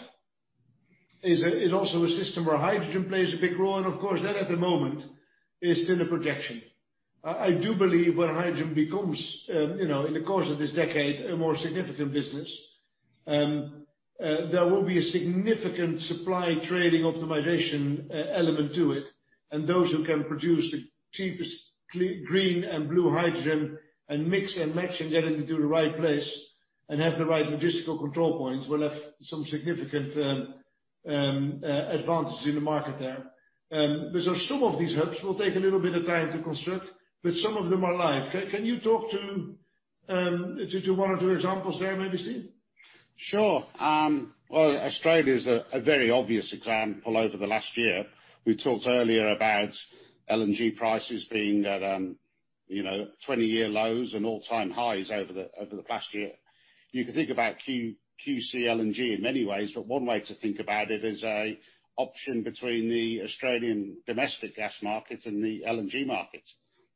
is also a system where hydrogen plays a big role. Of course, that at the moment is still a projection. I do believe when hydrogen becomes, in the course of this decade, a more significant business, there will be a significant supply trading optimization element to it. Those who can produce the cheapest green and blue hydrogen and mix and match and get it into the right place and have the right logistical control points will have some significant advantages in the market there. Some of these hubs will take a little bit of time to construct, but some of them are live. Can you talk to one or two examples there, maybe, Steve? Sure. Well, Australia is a very obvious example over the last year. We talked earlier about LNG prices being at 20-year lows and all-time highs over the past year. You can think about QCLNG in many ways, but one way to think about it is a option between the Australian domestic gas market and the LNG market.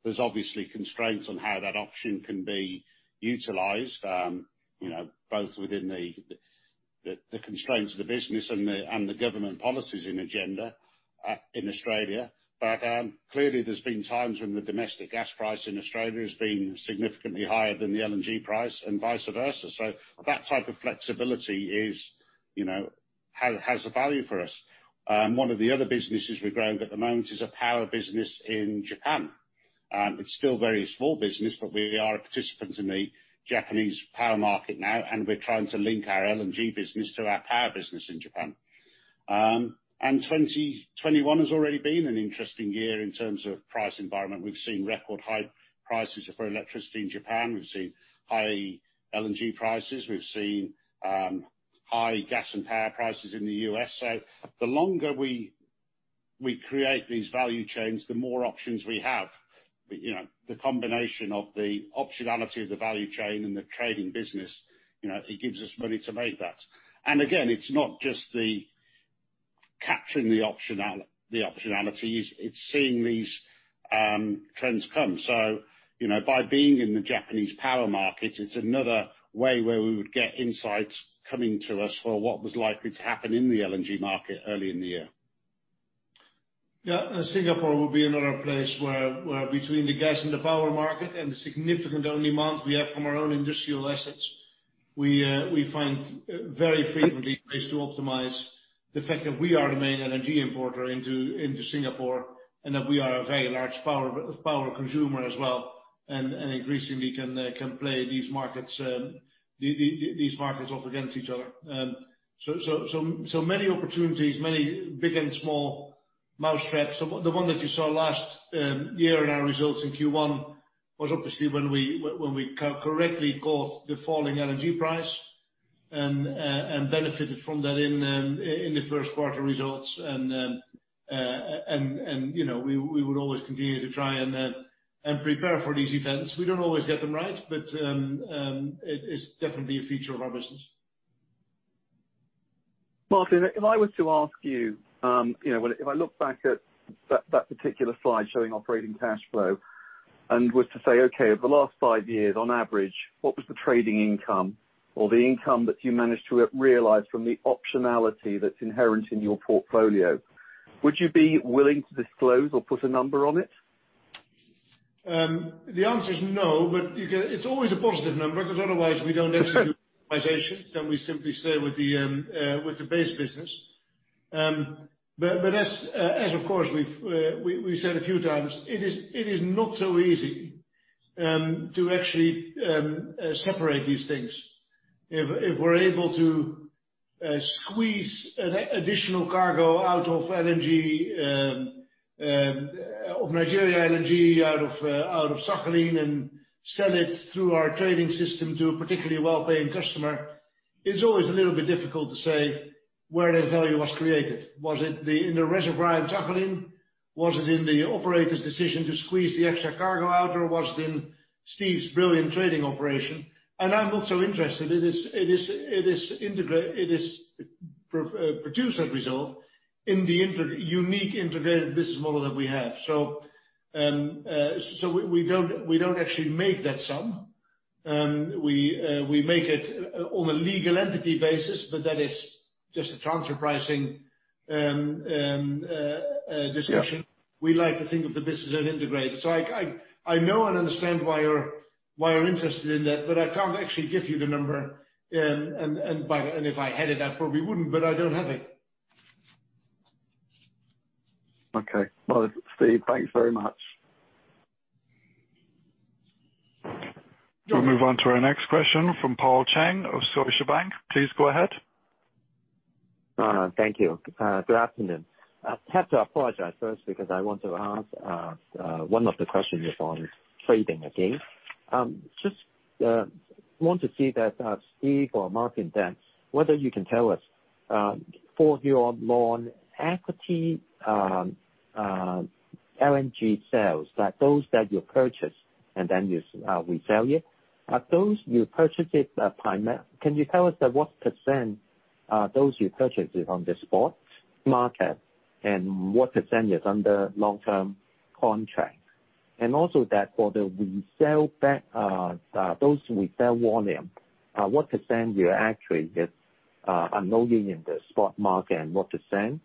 There's obviously constraints on how that option can be utilized both within the constraints of the business and the government policies and agenda in Australia. Clearly there's been times when the domestic gas price in Australia has been significantly higher than the LNG price and vice versa. That type of flexibility has a value for us. One of the other businesses we're growing at the moment is a power business in Japan. It's still very small business, but we are a participant in the Japanese power market now, and we're trying to link our LNG business to our power business in Japan. 2021 has already been an interesting year in terms of price environment. We've seen record high prices for electricity in Japan. We've seen high LNG prices. We've seen high gas and power prices in the U.S. The longer we create these value chains, the more options we have. The combination of the optionality of the value chain and the trading business, it gives us money to make that. Again, it's not just the capturing the optionalities, it's seeing these trends come. By being in the Japanese power market, it's another way where we would get insights coming to us for what was likely to happen in the LNG market early in the year. Yeah. Singapore will be another place where between the gas and the power market and the significant demand we have from our own industrial assets, we find very frequently place to optimize the fact that we are the main LNG importer into Singapore, and that we are a very large power consumer as well, and increasingly can play these markets off against each other. Many opportunities, many big and small mousetraps. The one that you saw last year in our results in Q1 was obviously when we correctly caught the falling LNG price and benefited from that in the first quarter results. We would always continue to try and prepare for these events. We don't always get them right, but it is definitely a feature of our business. Maarten, if I were to ask you, if I look back at that particular slide showing operating cash flow and was to say, okay, over the last five years on average, what was the trading income or the income that you managed to realize from the optionality that's inherent in your portfolio, would you be willing to disclose or put a number on it? The answer is no. It's always a positive number because otherwise we don't do optimizations, then we simply stay with the base business. As of course we've said a few times, it is not so easy to actually separate these things. If we're able to squeeze additional cargo out of Nigeria LNG, out of Sakhalin, and sell it through our trading system to a particularly well-paying customer, it's always a little bit difficult to say where the value was created. Was it in the reservoir in Sakhalin? Was it in the operator's decision to squeeze the extra cargo out, or was it in Steve's brilliant trading operation? I'm also interested, it is produced, that result, in the unique integrated business model that we have. We don't actually make that sum. We make it on a legal entity basis, but that is just a transfer pricing discussion. Yeah. We like to think of the business as integrated. I know and understand why you're interested in that, but I can't actually give you the number. If I had it, I probably wouldn't, but I don't have it. Okay. Well, Steve, thanks very much. We'll move on to our next question from Paul Cheng of Scotiabank. Please go ahead. Thank you. Good afternoon. I have to apologize first because I want to ask one of the questions on trading again. Just want to see that Steve or Maarten then, whether you can tell us, for your non-equity LNG sales, those that you purchase and then you resell it, those you purchased it. Can you tell us that what percent are those you purchased it on the spot market, and what percent is under long-term contract? Also, that for those resell volume, what percent you actually get unloading in the spot market and what percent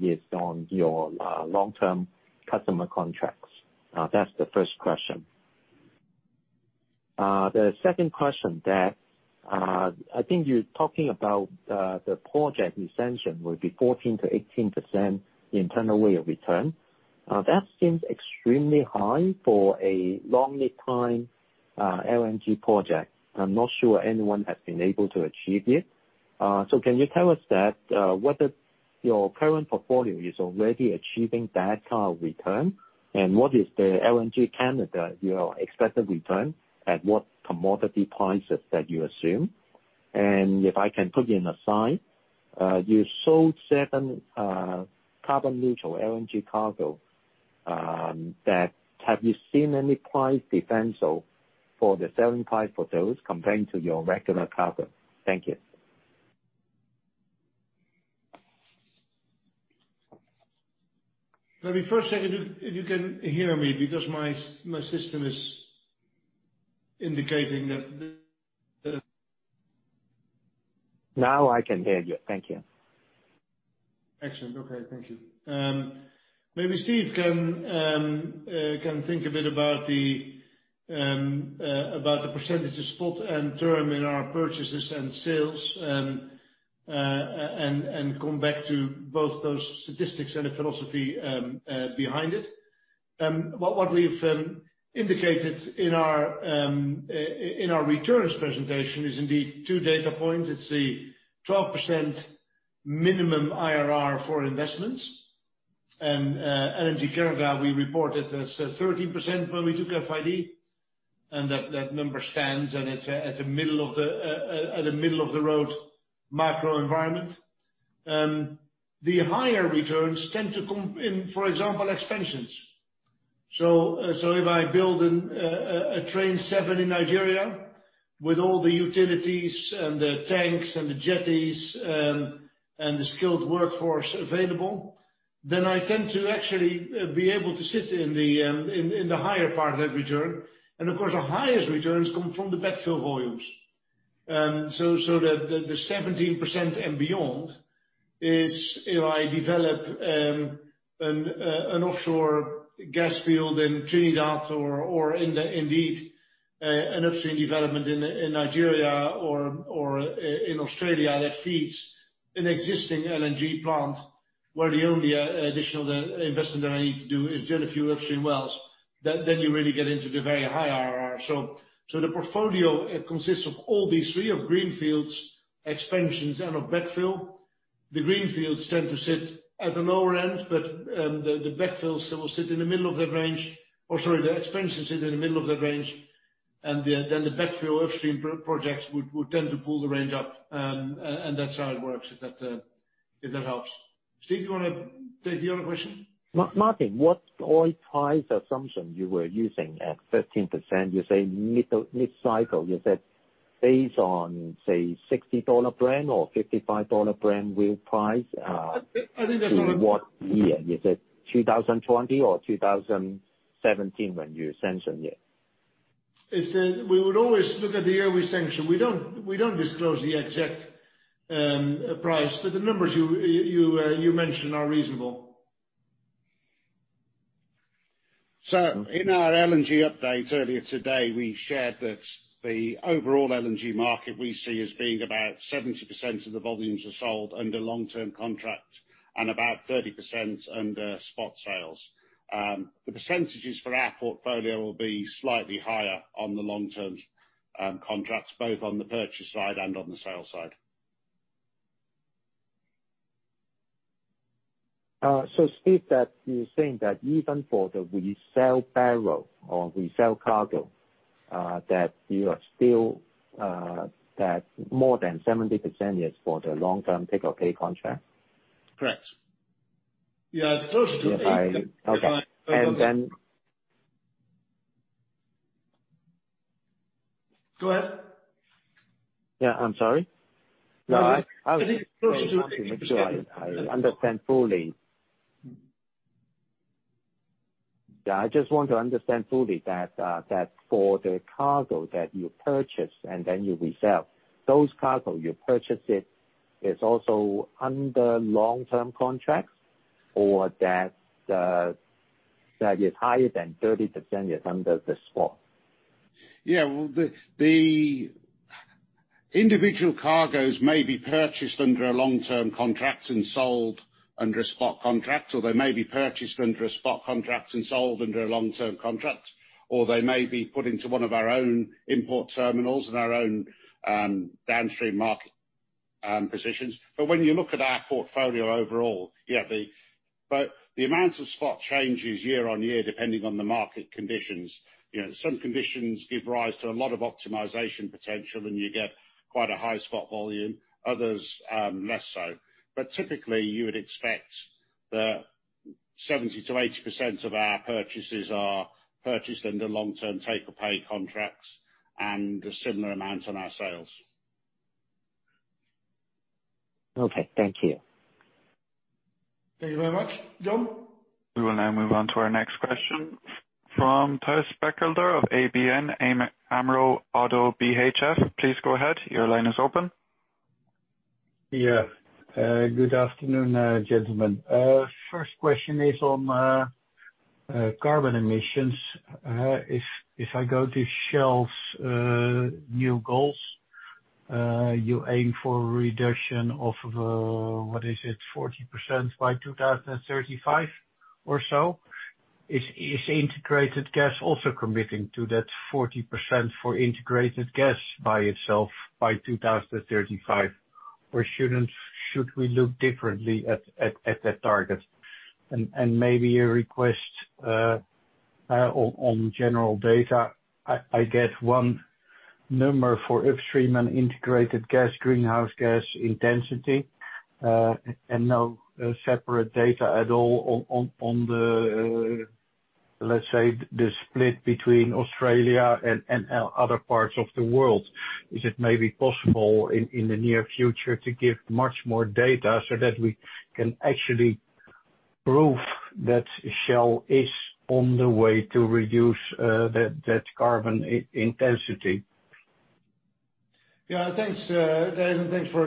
is on your long-term customer contracts? That's the first question. The second question, I think you're talking about the project extension will be 14%-18% internal rate of return. That seems extremely high for a long lead time LNG project. I'm not sure anyone has been able to achieve it. Can you tell us that whether your current portfolio is already achieving that kind of return, and what is the LNG Canada, your expected return at what commodity prices that you assume? If I can put you in a side, you sold certain carbon neutral LNG cargo. Have you seen any price differential for the selling price for those compared to your regular cargo? Thank you. Let me first check if you can hear me because my system is indicating. Now I can hear you. Thank you. Excellent. Okay. Thank you. Maybe Steve can think a bit about the percentage of spot and term in our purchases and sales, and come back to both those statistics and the philosophy behind it. What we've indicated in our returns presentation is indeed two data points. It's the 12% minimum IRR for investments. LNG Canada, we reported as 13% when we took FID, and that number stands, and it's at the middle of the road macro environment. The higher returns tend to come in, for example, expansions. If I build a Train 7 in Nigeria with all the utilities and the tanks and the jetties, and the skilled workforce available, then I tend to actually be able to sit in the higher part of that return. Of course, our highest returns come from the backfill volumes. The 17% and beyond is if I develop an offshore gas field in Trinidad or in an upstream development in Nigeria or in Australia that feeds an existing LNG plant, where the only additional investment that I need to do is drill a few upstream wells, then you really get into the very high IRR. The portfolio consists of all these three. Of greenfields, expansions, and of backfill. The greenfields tend to sit at the lower end, but the backfills that will sit in the middle of that range. Sorry, the expansions sit in the middle of that range, and then the backfill upstream projects would tend to pull the range up. That's how it works, if that helps. Steve, do you want to take the other question? Maarten, what oil price assumption you were using at 13%? You say mid-cycle. You said based on, say, $60 Brent or $55 Brent oil price. I think that's all. To what year? Is it 2020 or 2017 when you sanction it? We would always look at the year we sanction. We don't disclose the exact price, but the numbers you mentioned are reasonable. In our LNG update earlier today, we shared that the overall LNG market we see as being about 70% of the volumes are sold under long-term contract and about 30% under spot sales. The percentages for our portfolio will be slightly higher on the long-term contracts, both on the purchase side and on the sale side. Steve, that you're saying that even for the resell barrel or resell cargo, that you are still more than 70% is for the long-term take or pay contract? Correct. Yeah, it's closer to 80%. Okay. Go ahead. Yeah, I'm sorry. No. It is closer to 80%. I understand fully. I just want to understand fully that for the cargo that you purchase and then you resell, those cargo you purchase it is also under long-term contracts, or that is higher than 30% is under the spot? Yeah. Well, the individual cargoes may be purchased under a long-term contract and sold under a spot contract, or they may be purchased under a spot contract and sold under a long-term contract. They may be put into one of our own import terminals and our own downstream market positions. When you look at our portfolio overall, yeah. The amount of spot changes year on year, depending on the market conditions. Some conditions give rise to a lot of optimization potential, and you get quite a high spot volume, others less so. Typically, you would expect that 70%-80% of our purchases are purchased under long-term take or pay contracts and a similar amount on our sales. Okay, thank you. Thank you very much. John? We will now move on to our next question from Bert Bekkering of ABN AMRO-ODDO BHF. Please go ahead. Your line is open. Good afternoon, gentlemen. First question is on carbon emissions. If I go to Shell's new goals, you aim for a reduction of, what is it, 40% by 2035 or so. Is Integrated Gas also committing to that 40% for Integrated Gas by itself by 2035, or should we look differently at that target? Maybe a request on general data. I get one number for Upstream and Integrated Gas greenhouse gas intensity, and no separate data at all on the, let's say, the split between Australia and other parts of the world. Is it maybe possible in the near future to give much more data so that we can actually prove that Shell is on the way to reduce that carbon intensity? Yeah, thanks Bert, and thanks for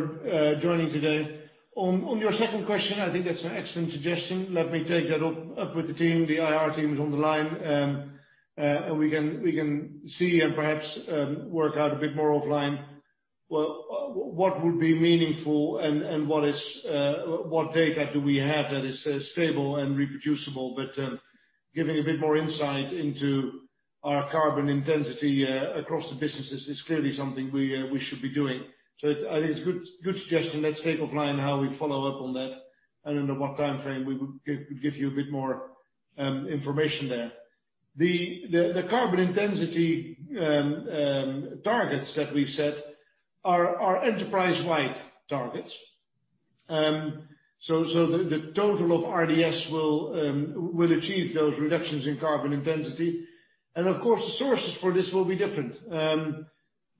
joining today. On your second question, I think that's an excellent suggestion. Let me take that up with the team. The IR team is on the line. We can see and perhaps work out a bit more offline, what would be meaningful and what data do we have that is stable and reproducible. Giving a bit more insight into our carbon intensity across the businesses is clearly something we should be doing. I think it's a good suggestion. Let's take offline how we follow up on that and under what time frame we would give you a bit more information there. The carbon intensity targets that we've set are enterprise-wide targets. The total of RDS will achieve those reductions in carbon intensity. Of course, the sources for this will be different.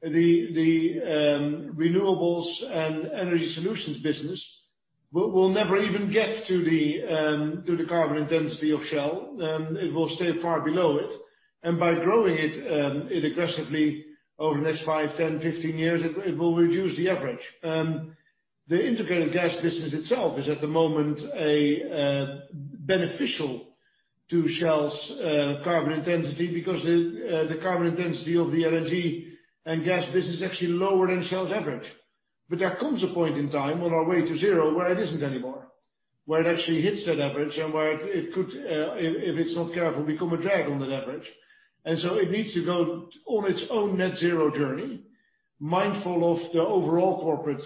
The renewables and energy solutions business will never even get to the carbon intensity of Shell. It will stay far below it. By growing it aggressively over the next five, 10, 15 years, it will reduce the average. The integrated gas business itself is at the moment beneficial to Shell's carbon intensity because the carbon intensity of the LNG and gas business is actually lower than Shell's average. There comes a point in time on our way to zero where it isn't anymore, where it actually hits that average and where it could, if it's not careful, become a drag on that average. It needs to go on its own net zero journey, mindful of the overall corporate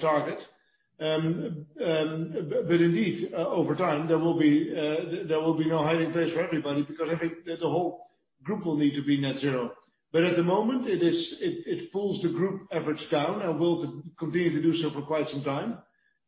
target. Indeed, over time, there will be no hiding place for everybody because the whole group will need to be net zero. At the moment, it pulls the group average down and will continue to do so for quite some time.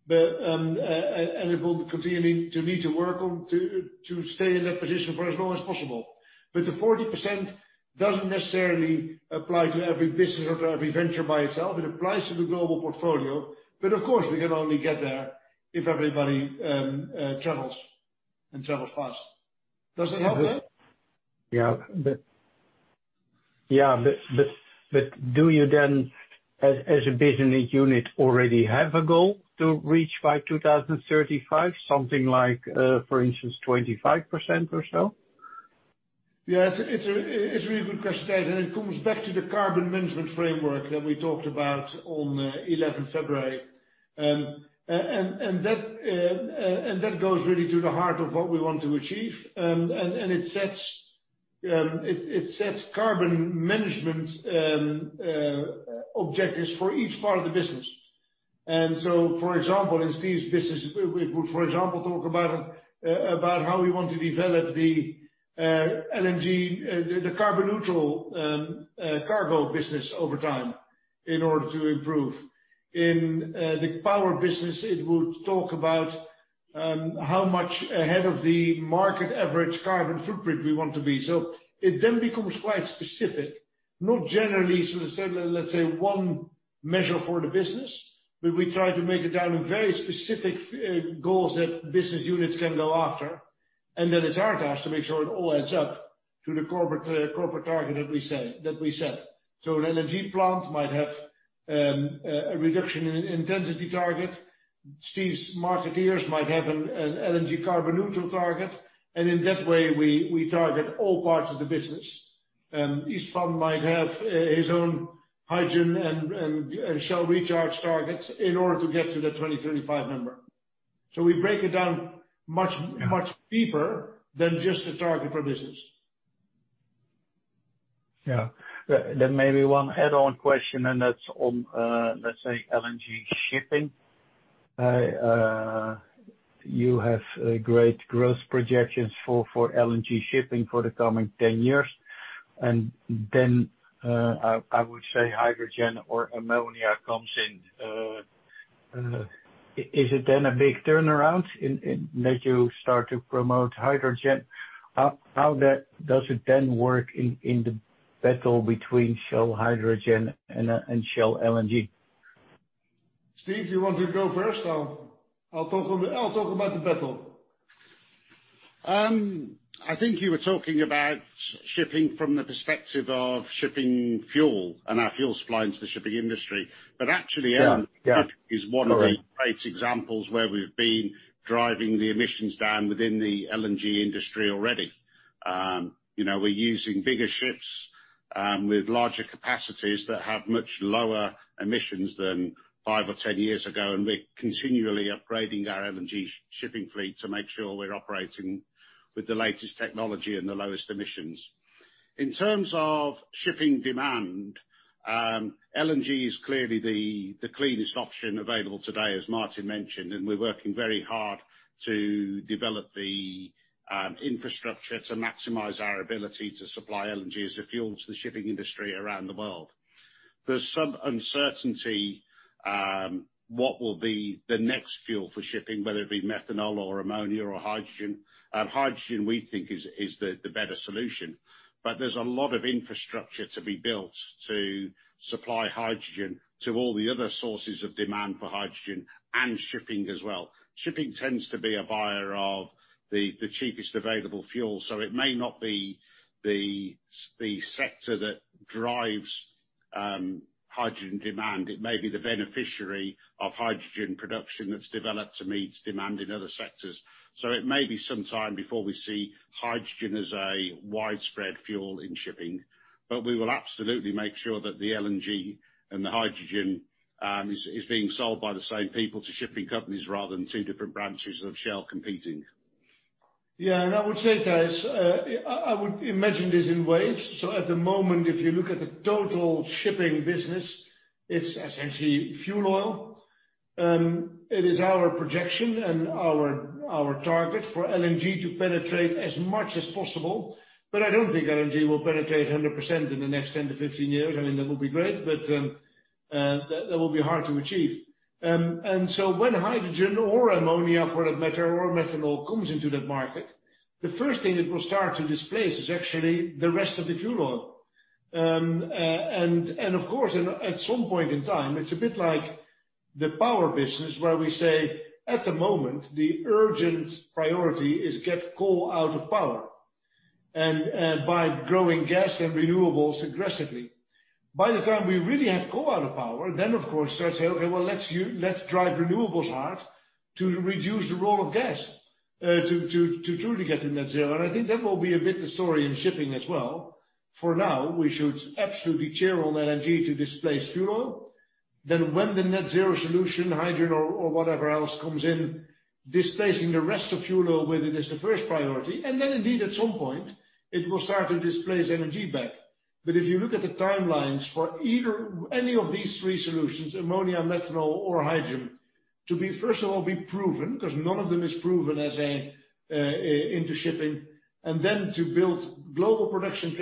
It will continue to need to work to stay in that position for as long as possible. The 40% doesn't necessarily apply to every business or to every venture by itself. It applies to the global portfolio. Of course, we can only get there if everybody travels, and travels fast. Does that help there? Yeah. Do you then, as a business unit, already have a goal to reach by 2035? Something like, for instance, 25% or so? It's a really good question, and it comes back to the carbon management framework that we talked about on the 11th February. That goes really to the heart of what we want to achieve. It sets carbon management objectives for each part of the business. So, for example, in Steve's business, it would, for example, talk about how we want to develop the LNG, the carbon neutral cargo business over time in order to improve. In the power business, it would talk about how much ahead of the market average carbon footprint we want to be. It then becomes quite specific. Not generally sort of, let's say, one measure for the business, but we try to make it down in very specific goals that business units can go after. It's our task to make sure it all adds up to the corporate target that we set. An LNG plant might have a reduction in intensity target. Steve's marketeers might have an LNG carbon neutral target. In that way, we target all parts of the business. Each fund might have its own hydrogen and Shell Recharge targets in order to get to the 2035 number. We break it down much deeper than just the target per business. Yeah. Maybe one add-on question, and that's on, let's say, LNG shipping. You have great growth projections for LNG shipping for the coming 10 years. I would say hydrogen or ammonia comes in. Is it then a big turnaround that you start to promote hydrogen? How does it then work in the battle between Shell Hydrogen and Shell LNG? Steve, do you want to go first? I'll talk about the battle. I think you were talking about shipping from the perspective of shipping fuel and our fuel supply into the shipping industry. Yeah. LNG is one of the great examples where we've been driving the emissions down within the LNG industry already. We're using bigger ships with larger capacities that have much lower emissions than 5 or 10 years ago, and we're continually upgrading our LNG shipping fleet to make sure we're operating with the latest technology and the lowest emissions. In terms of shipping demand, LNG is clearly the cleanest option available today, as Maarten mentioned, and we're working very hard to develop the infrastructure to maximize our ability to supply LNG as a fuel to the shipping industry around the world. There's some uncertainty what will be the next fuel for shipping, whether it be methanol or ammonia or hydrogen. Hydrogen, we think, is the better solution. There's a lot of infrastructure to be built to supply hydrogen to all the other sources of demand for hydrogen and shipping as well. Shipping tends to be a buyer of the cheapest available fuel, so it may not be the sector that drives hydrogen demand. It may be the beneficiary of hydrogen production that's developed to meet demand in other sectors. It may be some time before we see hydrogen as a widespread fuel in shipping. We will absolutely make sure that the LNG and the hydrogen is being sold by the same people to shipping companies rather than two different branches of Shell competing. I would say, guys, I would imagine this in waves. At the moment, if you look at the total shipping business, it's essentially fuel oil. It is our projection and our target for LNG to penetrate as much as possible. I don't think LNG will penetrate 100% in the next 10-15 years. I mean, that would be great, but that will be hard to achieve. When hydrogen or ammonia, for that matter, or methanol comes into that market, the first thing it will start to displace is actually the rest of the fuel oil. Of course, at some point in time, it's a bit like the power business, where we say, at the moment, the urgent priority is get coal out of power. By growing gas and renewables aggressively. By the time we really have coal out of power, then, of course, start saying, "Okay, well, let's drive renewables hard to reduce the role of gas to truly get to net zero." I think that will be a bit the story in shipping as well. For now, we should absolutely cheer on LNG to displace fuel oil. When the net zero solution, hydrogen or whatever else comes in, displacing the rest of fuel oil with it is the first priority. Indeed, at some point, it will start to displace energy back. If you look at the timelines for any of these three solutions, ammonia, methanol, or hydrogen, to first of all be proven, because none of them is proven into shipping. To build global production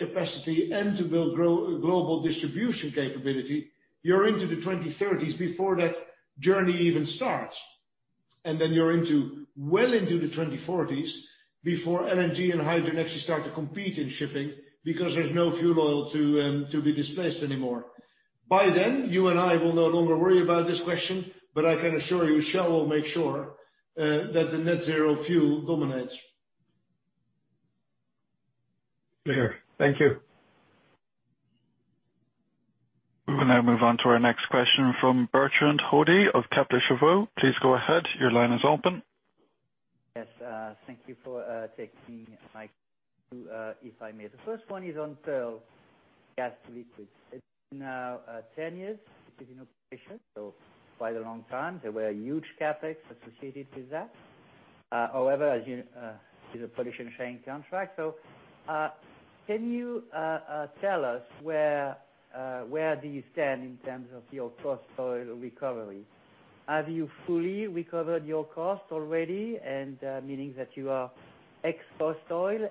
capacity and to build global distribution capability, you're into the 2030s before that journey even starts. You're well into the 2040s before LNG and hydrogen actually start to compete in shipping, because there's no fuel oil to be displaced anymore. By then, you and I will no longer worry about this question. I can assure you, Shell will make sure that the net zero fuel dominates. Clear. Thank you. We will now move on to our next question from Bertrand Hodee of Kepler Cheuvreux. Please go ahead. Your line is open. Yes. Thank you for taking my call. If I may, the first one is on Pearl GTL. It is now 10 years it has been in operation, so quite a long time. There were huge CapEx associated with that. As you see the production sharing contract, can you tell us where do you stand in terms of your cost oil recovery? Have you fully recovered your cost already? Meaning that you are ex-cost oil.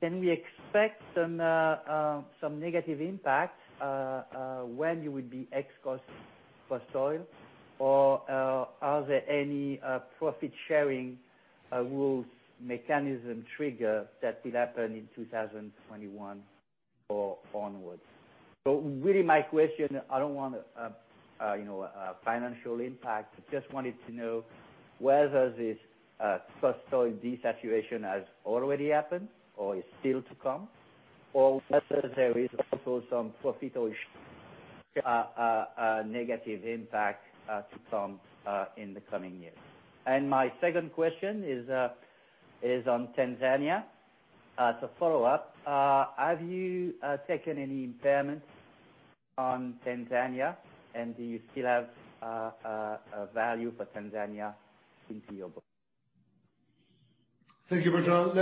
Can we expect some negative impact, when you would be ex-cost oil? Are there any profit-sharing rules mechanism trigger that will happen in 2021 or onwards? Really my question, I do not want a financial impact. I just wanted to know whether this cost oil desaturation has already happened or is still to come, or whether there is also some profit or a negative impact to come in the coming years. My second question is on Tanzania. As a follow-up, have you taken any impairments on Tanzania? Do you still have a value for Tanzania since your book? Thank you, Bertrand.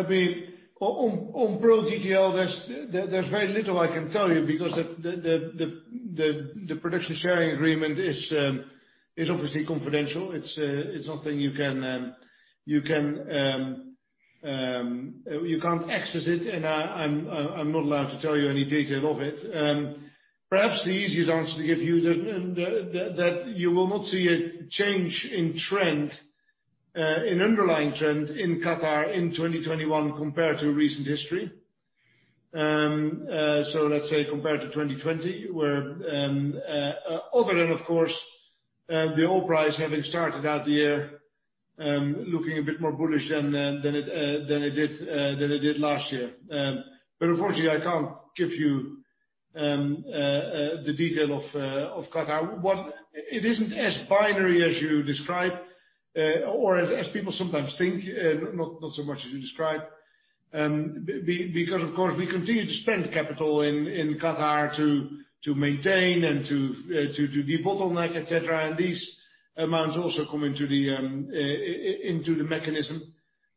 On Pearl GTL, there's very little I can tell you because the production sharing agreement is obviously confidential. You can't access it, and I'm not allowed to tell you any detail of it. Perhaps the easiest answer to give you is that you will not see a change in underlying trend in Qatar in 2021 compared to recent history. Let's say compared to 2020, other than, of course, the oil price having started out the year looking a bit more bullish than it did last year. Unfortunately, I can't give you the detail of Qatar. It isn't as binary as you describe or as people sometimes think, not so much as you described. Of course, we continue to spend capital in Qatar to maintain and to debottleneck, et cetera, and these amounts also come into the mechanism.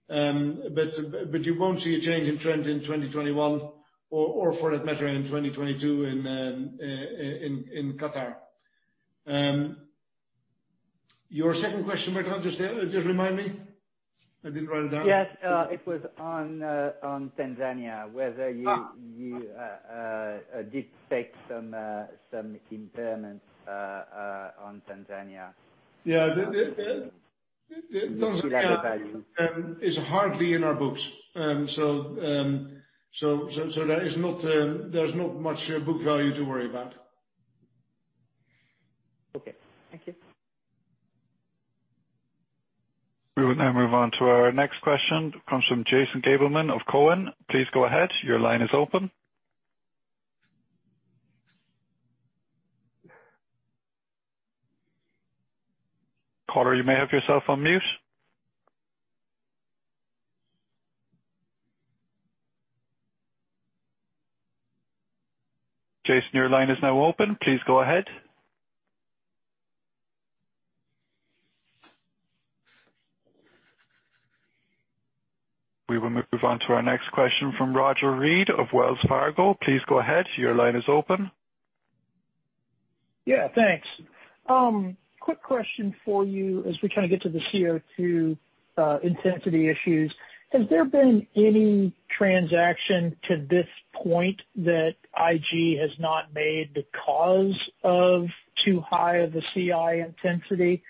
You won't see a change in trend in 2021 or for that matter in 2022 in Qatar. Your second question, Bertrand, just remind me. I didn't write it down. Yes. It was on Tanzania, whether you did take some impairment on Tanzania. Yeah. What's the value? Tanzania is hardly in our books. There's not much book value to worry about. Okay. Thank you. We will now move on to our next question, comes from Jason Gabelman of TD Cowen. Please go ahead. Your line is open. Caller, you may have yourself on mute. Jason, your line is now open. Please go ahead. We will move on to our next question from Roger Read of Wells Fargo. Please go ahead. Your line is open. Yeah, thanks. Quick question for you as we get to the CO2 intensity issues. Has there been any transaction to this point that IG has not made because of too high of a CI intensity?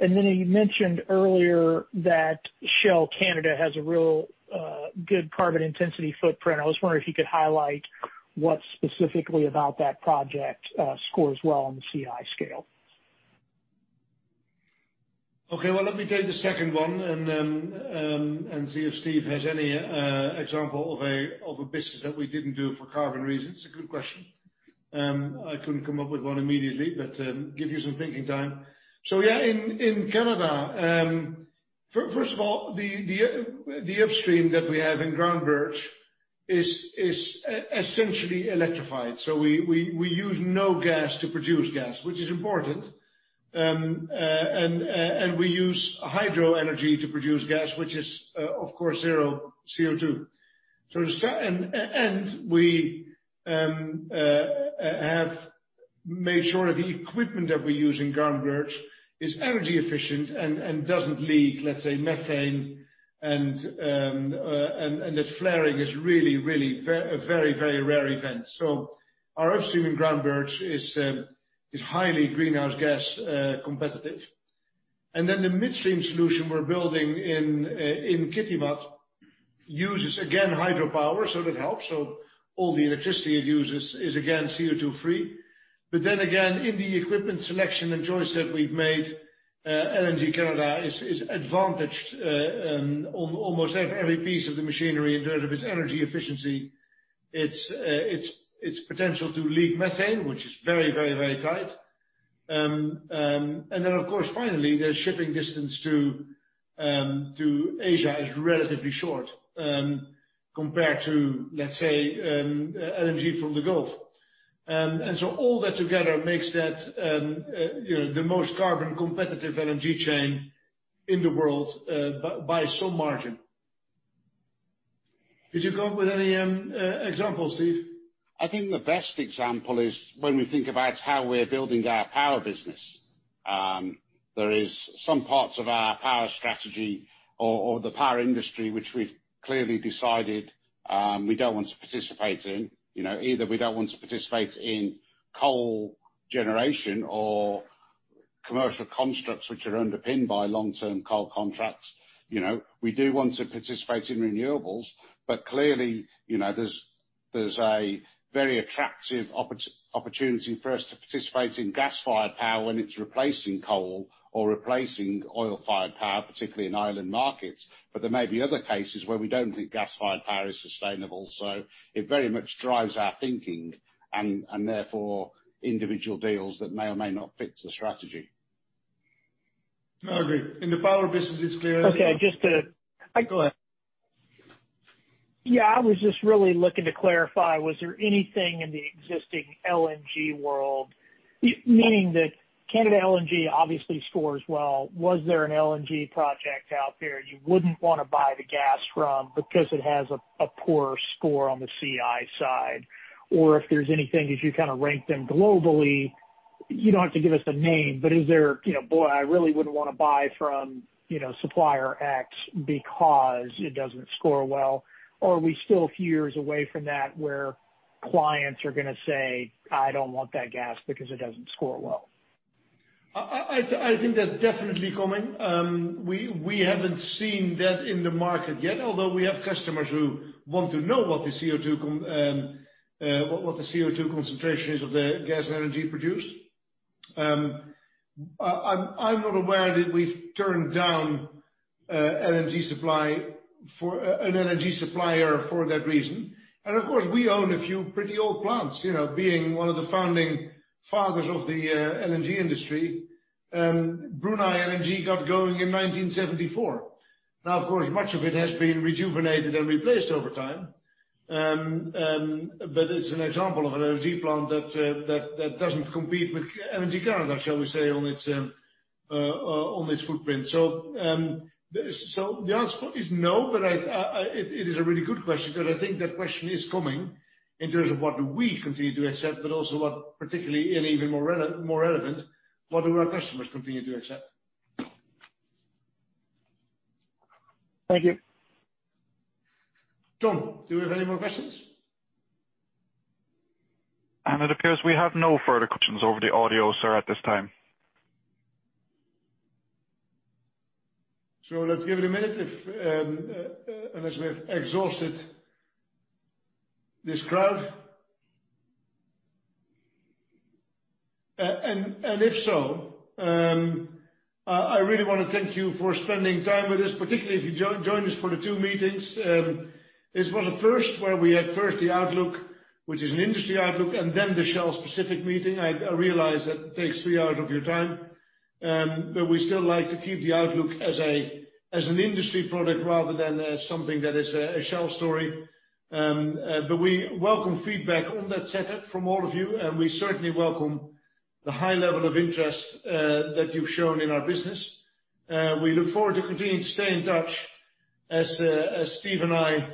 You mentioned earlier that Shell Canada has a real good carbon intensity footprint. I was wondering if you could highlight what specifically about that project scores well on the CI scale? Let me take the second one and see if Steve has any example of a business that we didn't do for carbon reasons. It's a good question. I couldn't come up with one immediately, give you some thinking time. Yeah, in Canada, first of all, the upstream that we have in Groundbirch is essentially electrified. We use no gas to produce gas, which is important. We use hydro energy to produce gas, which is, of course, zero CO2. We have made sure the equipment that we use in Groundbirch is energy efficient and doesn't leak, let's say, methane, and that flaring is really a very rare event. Our upstream in Groundbirch is highly greenhouse gas competitive. The midstream solution we're building in Kitimat uses, again, hydropower, that helps. All the electricity it uses is again CO2 free. In the equipment selection and choice that we've made, LNG Canada is advantaged on almost every piece of the machinery in terms of its energy efficiency. Its potential to leak methane, which is very tight. Of course, finally, the shipping distance to Asia is relatively short compared to, let’s say, LNG from the Gulf. All that together makes that the most carbon competitive LNG chain in the world by some margin. Could you come up with any examples, Steve? I think the best example is when we think about how we're building our power business. There is some parts of our power strategy or the power industry which we've clearly decided we don't want to participate in. Either we don't want to participate in coal generation or commercial constructs which are underpinned by long-term coal contracts. We do want to participate in renewables. Clearly, there's a very attractive opportunity for us to participate in gas-fired power when it's replacing coal or replacing oil-fired power, particularly in island markets. There may be other cases where we don't think gas-fired power is sustainable. It very much drives our thinking and therefore individual deals that may or may not fit the strategy. No, I agree. In the power business, it's clear. Okay. Go ahead. Yeah, I was just really looking to clarify. Was there anything in the existing LNG world, meaning that LNG Canada obviously scores well? Was there an LNG project out there you wouldn't want to buy the gas from because it has a poorer score on the CI side? If there's anything as you kind of rank them globally, you don't have to give us a name, but is there, "Boy, I really wouldn't want to buy from supplier X because it doesn't score well"? Are we still a few years away from that where clients are going to say, "I don't want that gas because it doesn't score well"? I think that's definitely coming. We haven't seen that in the market yet, although we have customers who want to know what the CO2 concentration is of the gas and energy produced. I'm not aware that we've turned down an LNG supplier for that reason. Of course, we own a few pretty old plants. Being one of the founding fathers of the LNG industry, Brunei LNG got going in 1974. Now, of course, much of it has been rejuvenated and replaced over time. It's an example of an LNG plant that doesn't compete with LNG Canada, shall we say, on its footprint. The answer is no, but it is a really good question because I think that question is coming in terms of what do we continue to accept, but also what particularly and even more relevant, what do our customers continue to accept? Thank you. John, do we have any more questions? It appears we have no further questions over the audio, sir, at this time. Let's give it a minute unless we have exhausted this crowd. If so, I really want to thank you for spending time with us, particularly if you joined us for the two meetings. It's one of the first where we had first the outlook, which is an industry outlook, and then the Shell specific meeting. I realize that takes three hours of your time. We still like to keep the outlook as an industry product rather than something that is a Shell story. We welcome feedback on that setup from all of you, and we certainly welcome the high level of interest that you've shown in our business. We look forward to continuing to stay in touch as Steve and I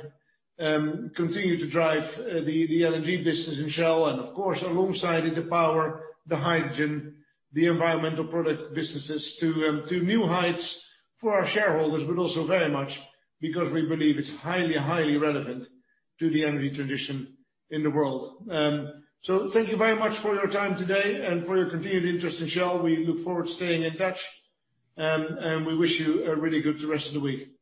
continue to drive the LNG business in Shell and of course, alongside it, the power, the hydrogen, the environmental product businesses to new heights for our shareholders, but also very much because we believe it's highly relevant to the energy transition in the world. Thank you very much for your time today and for your continued interest in Shell. We look forward to staying in touch. We wish you a really good rest of the week.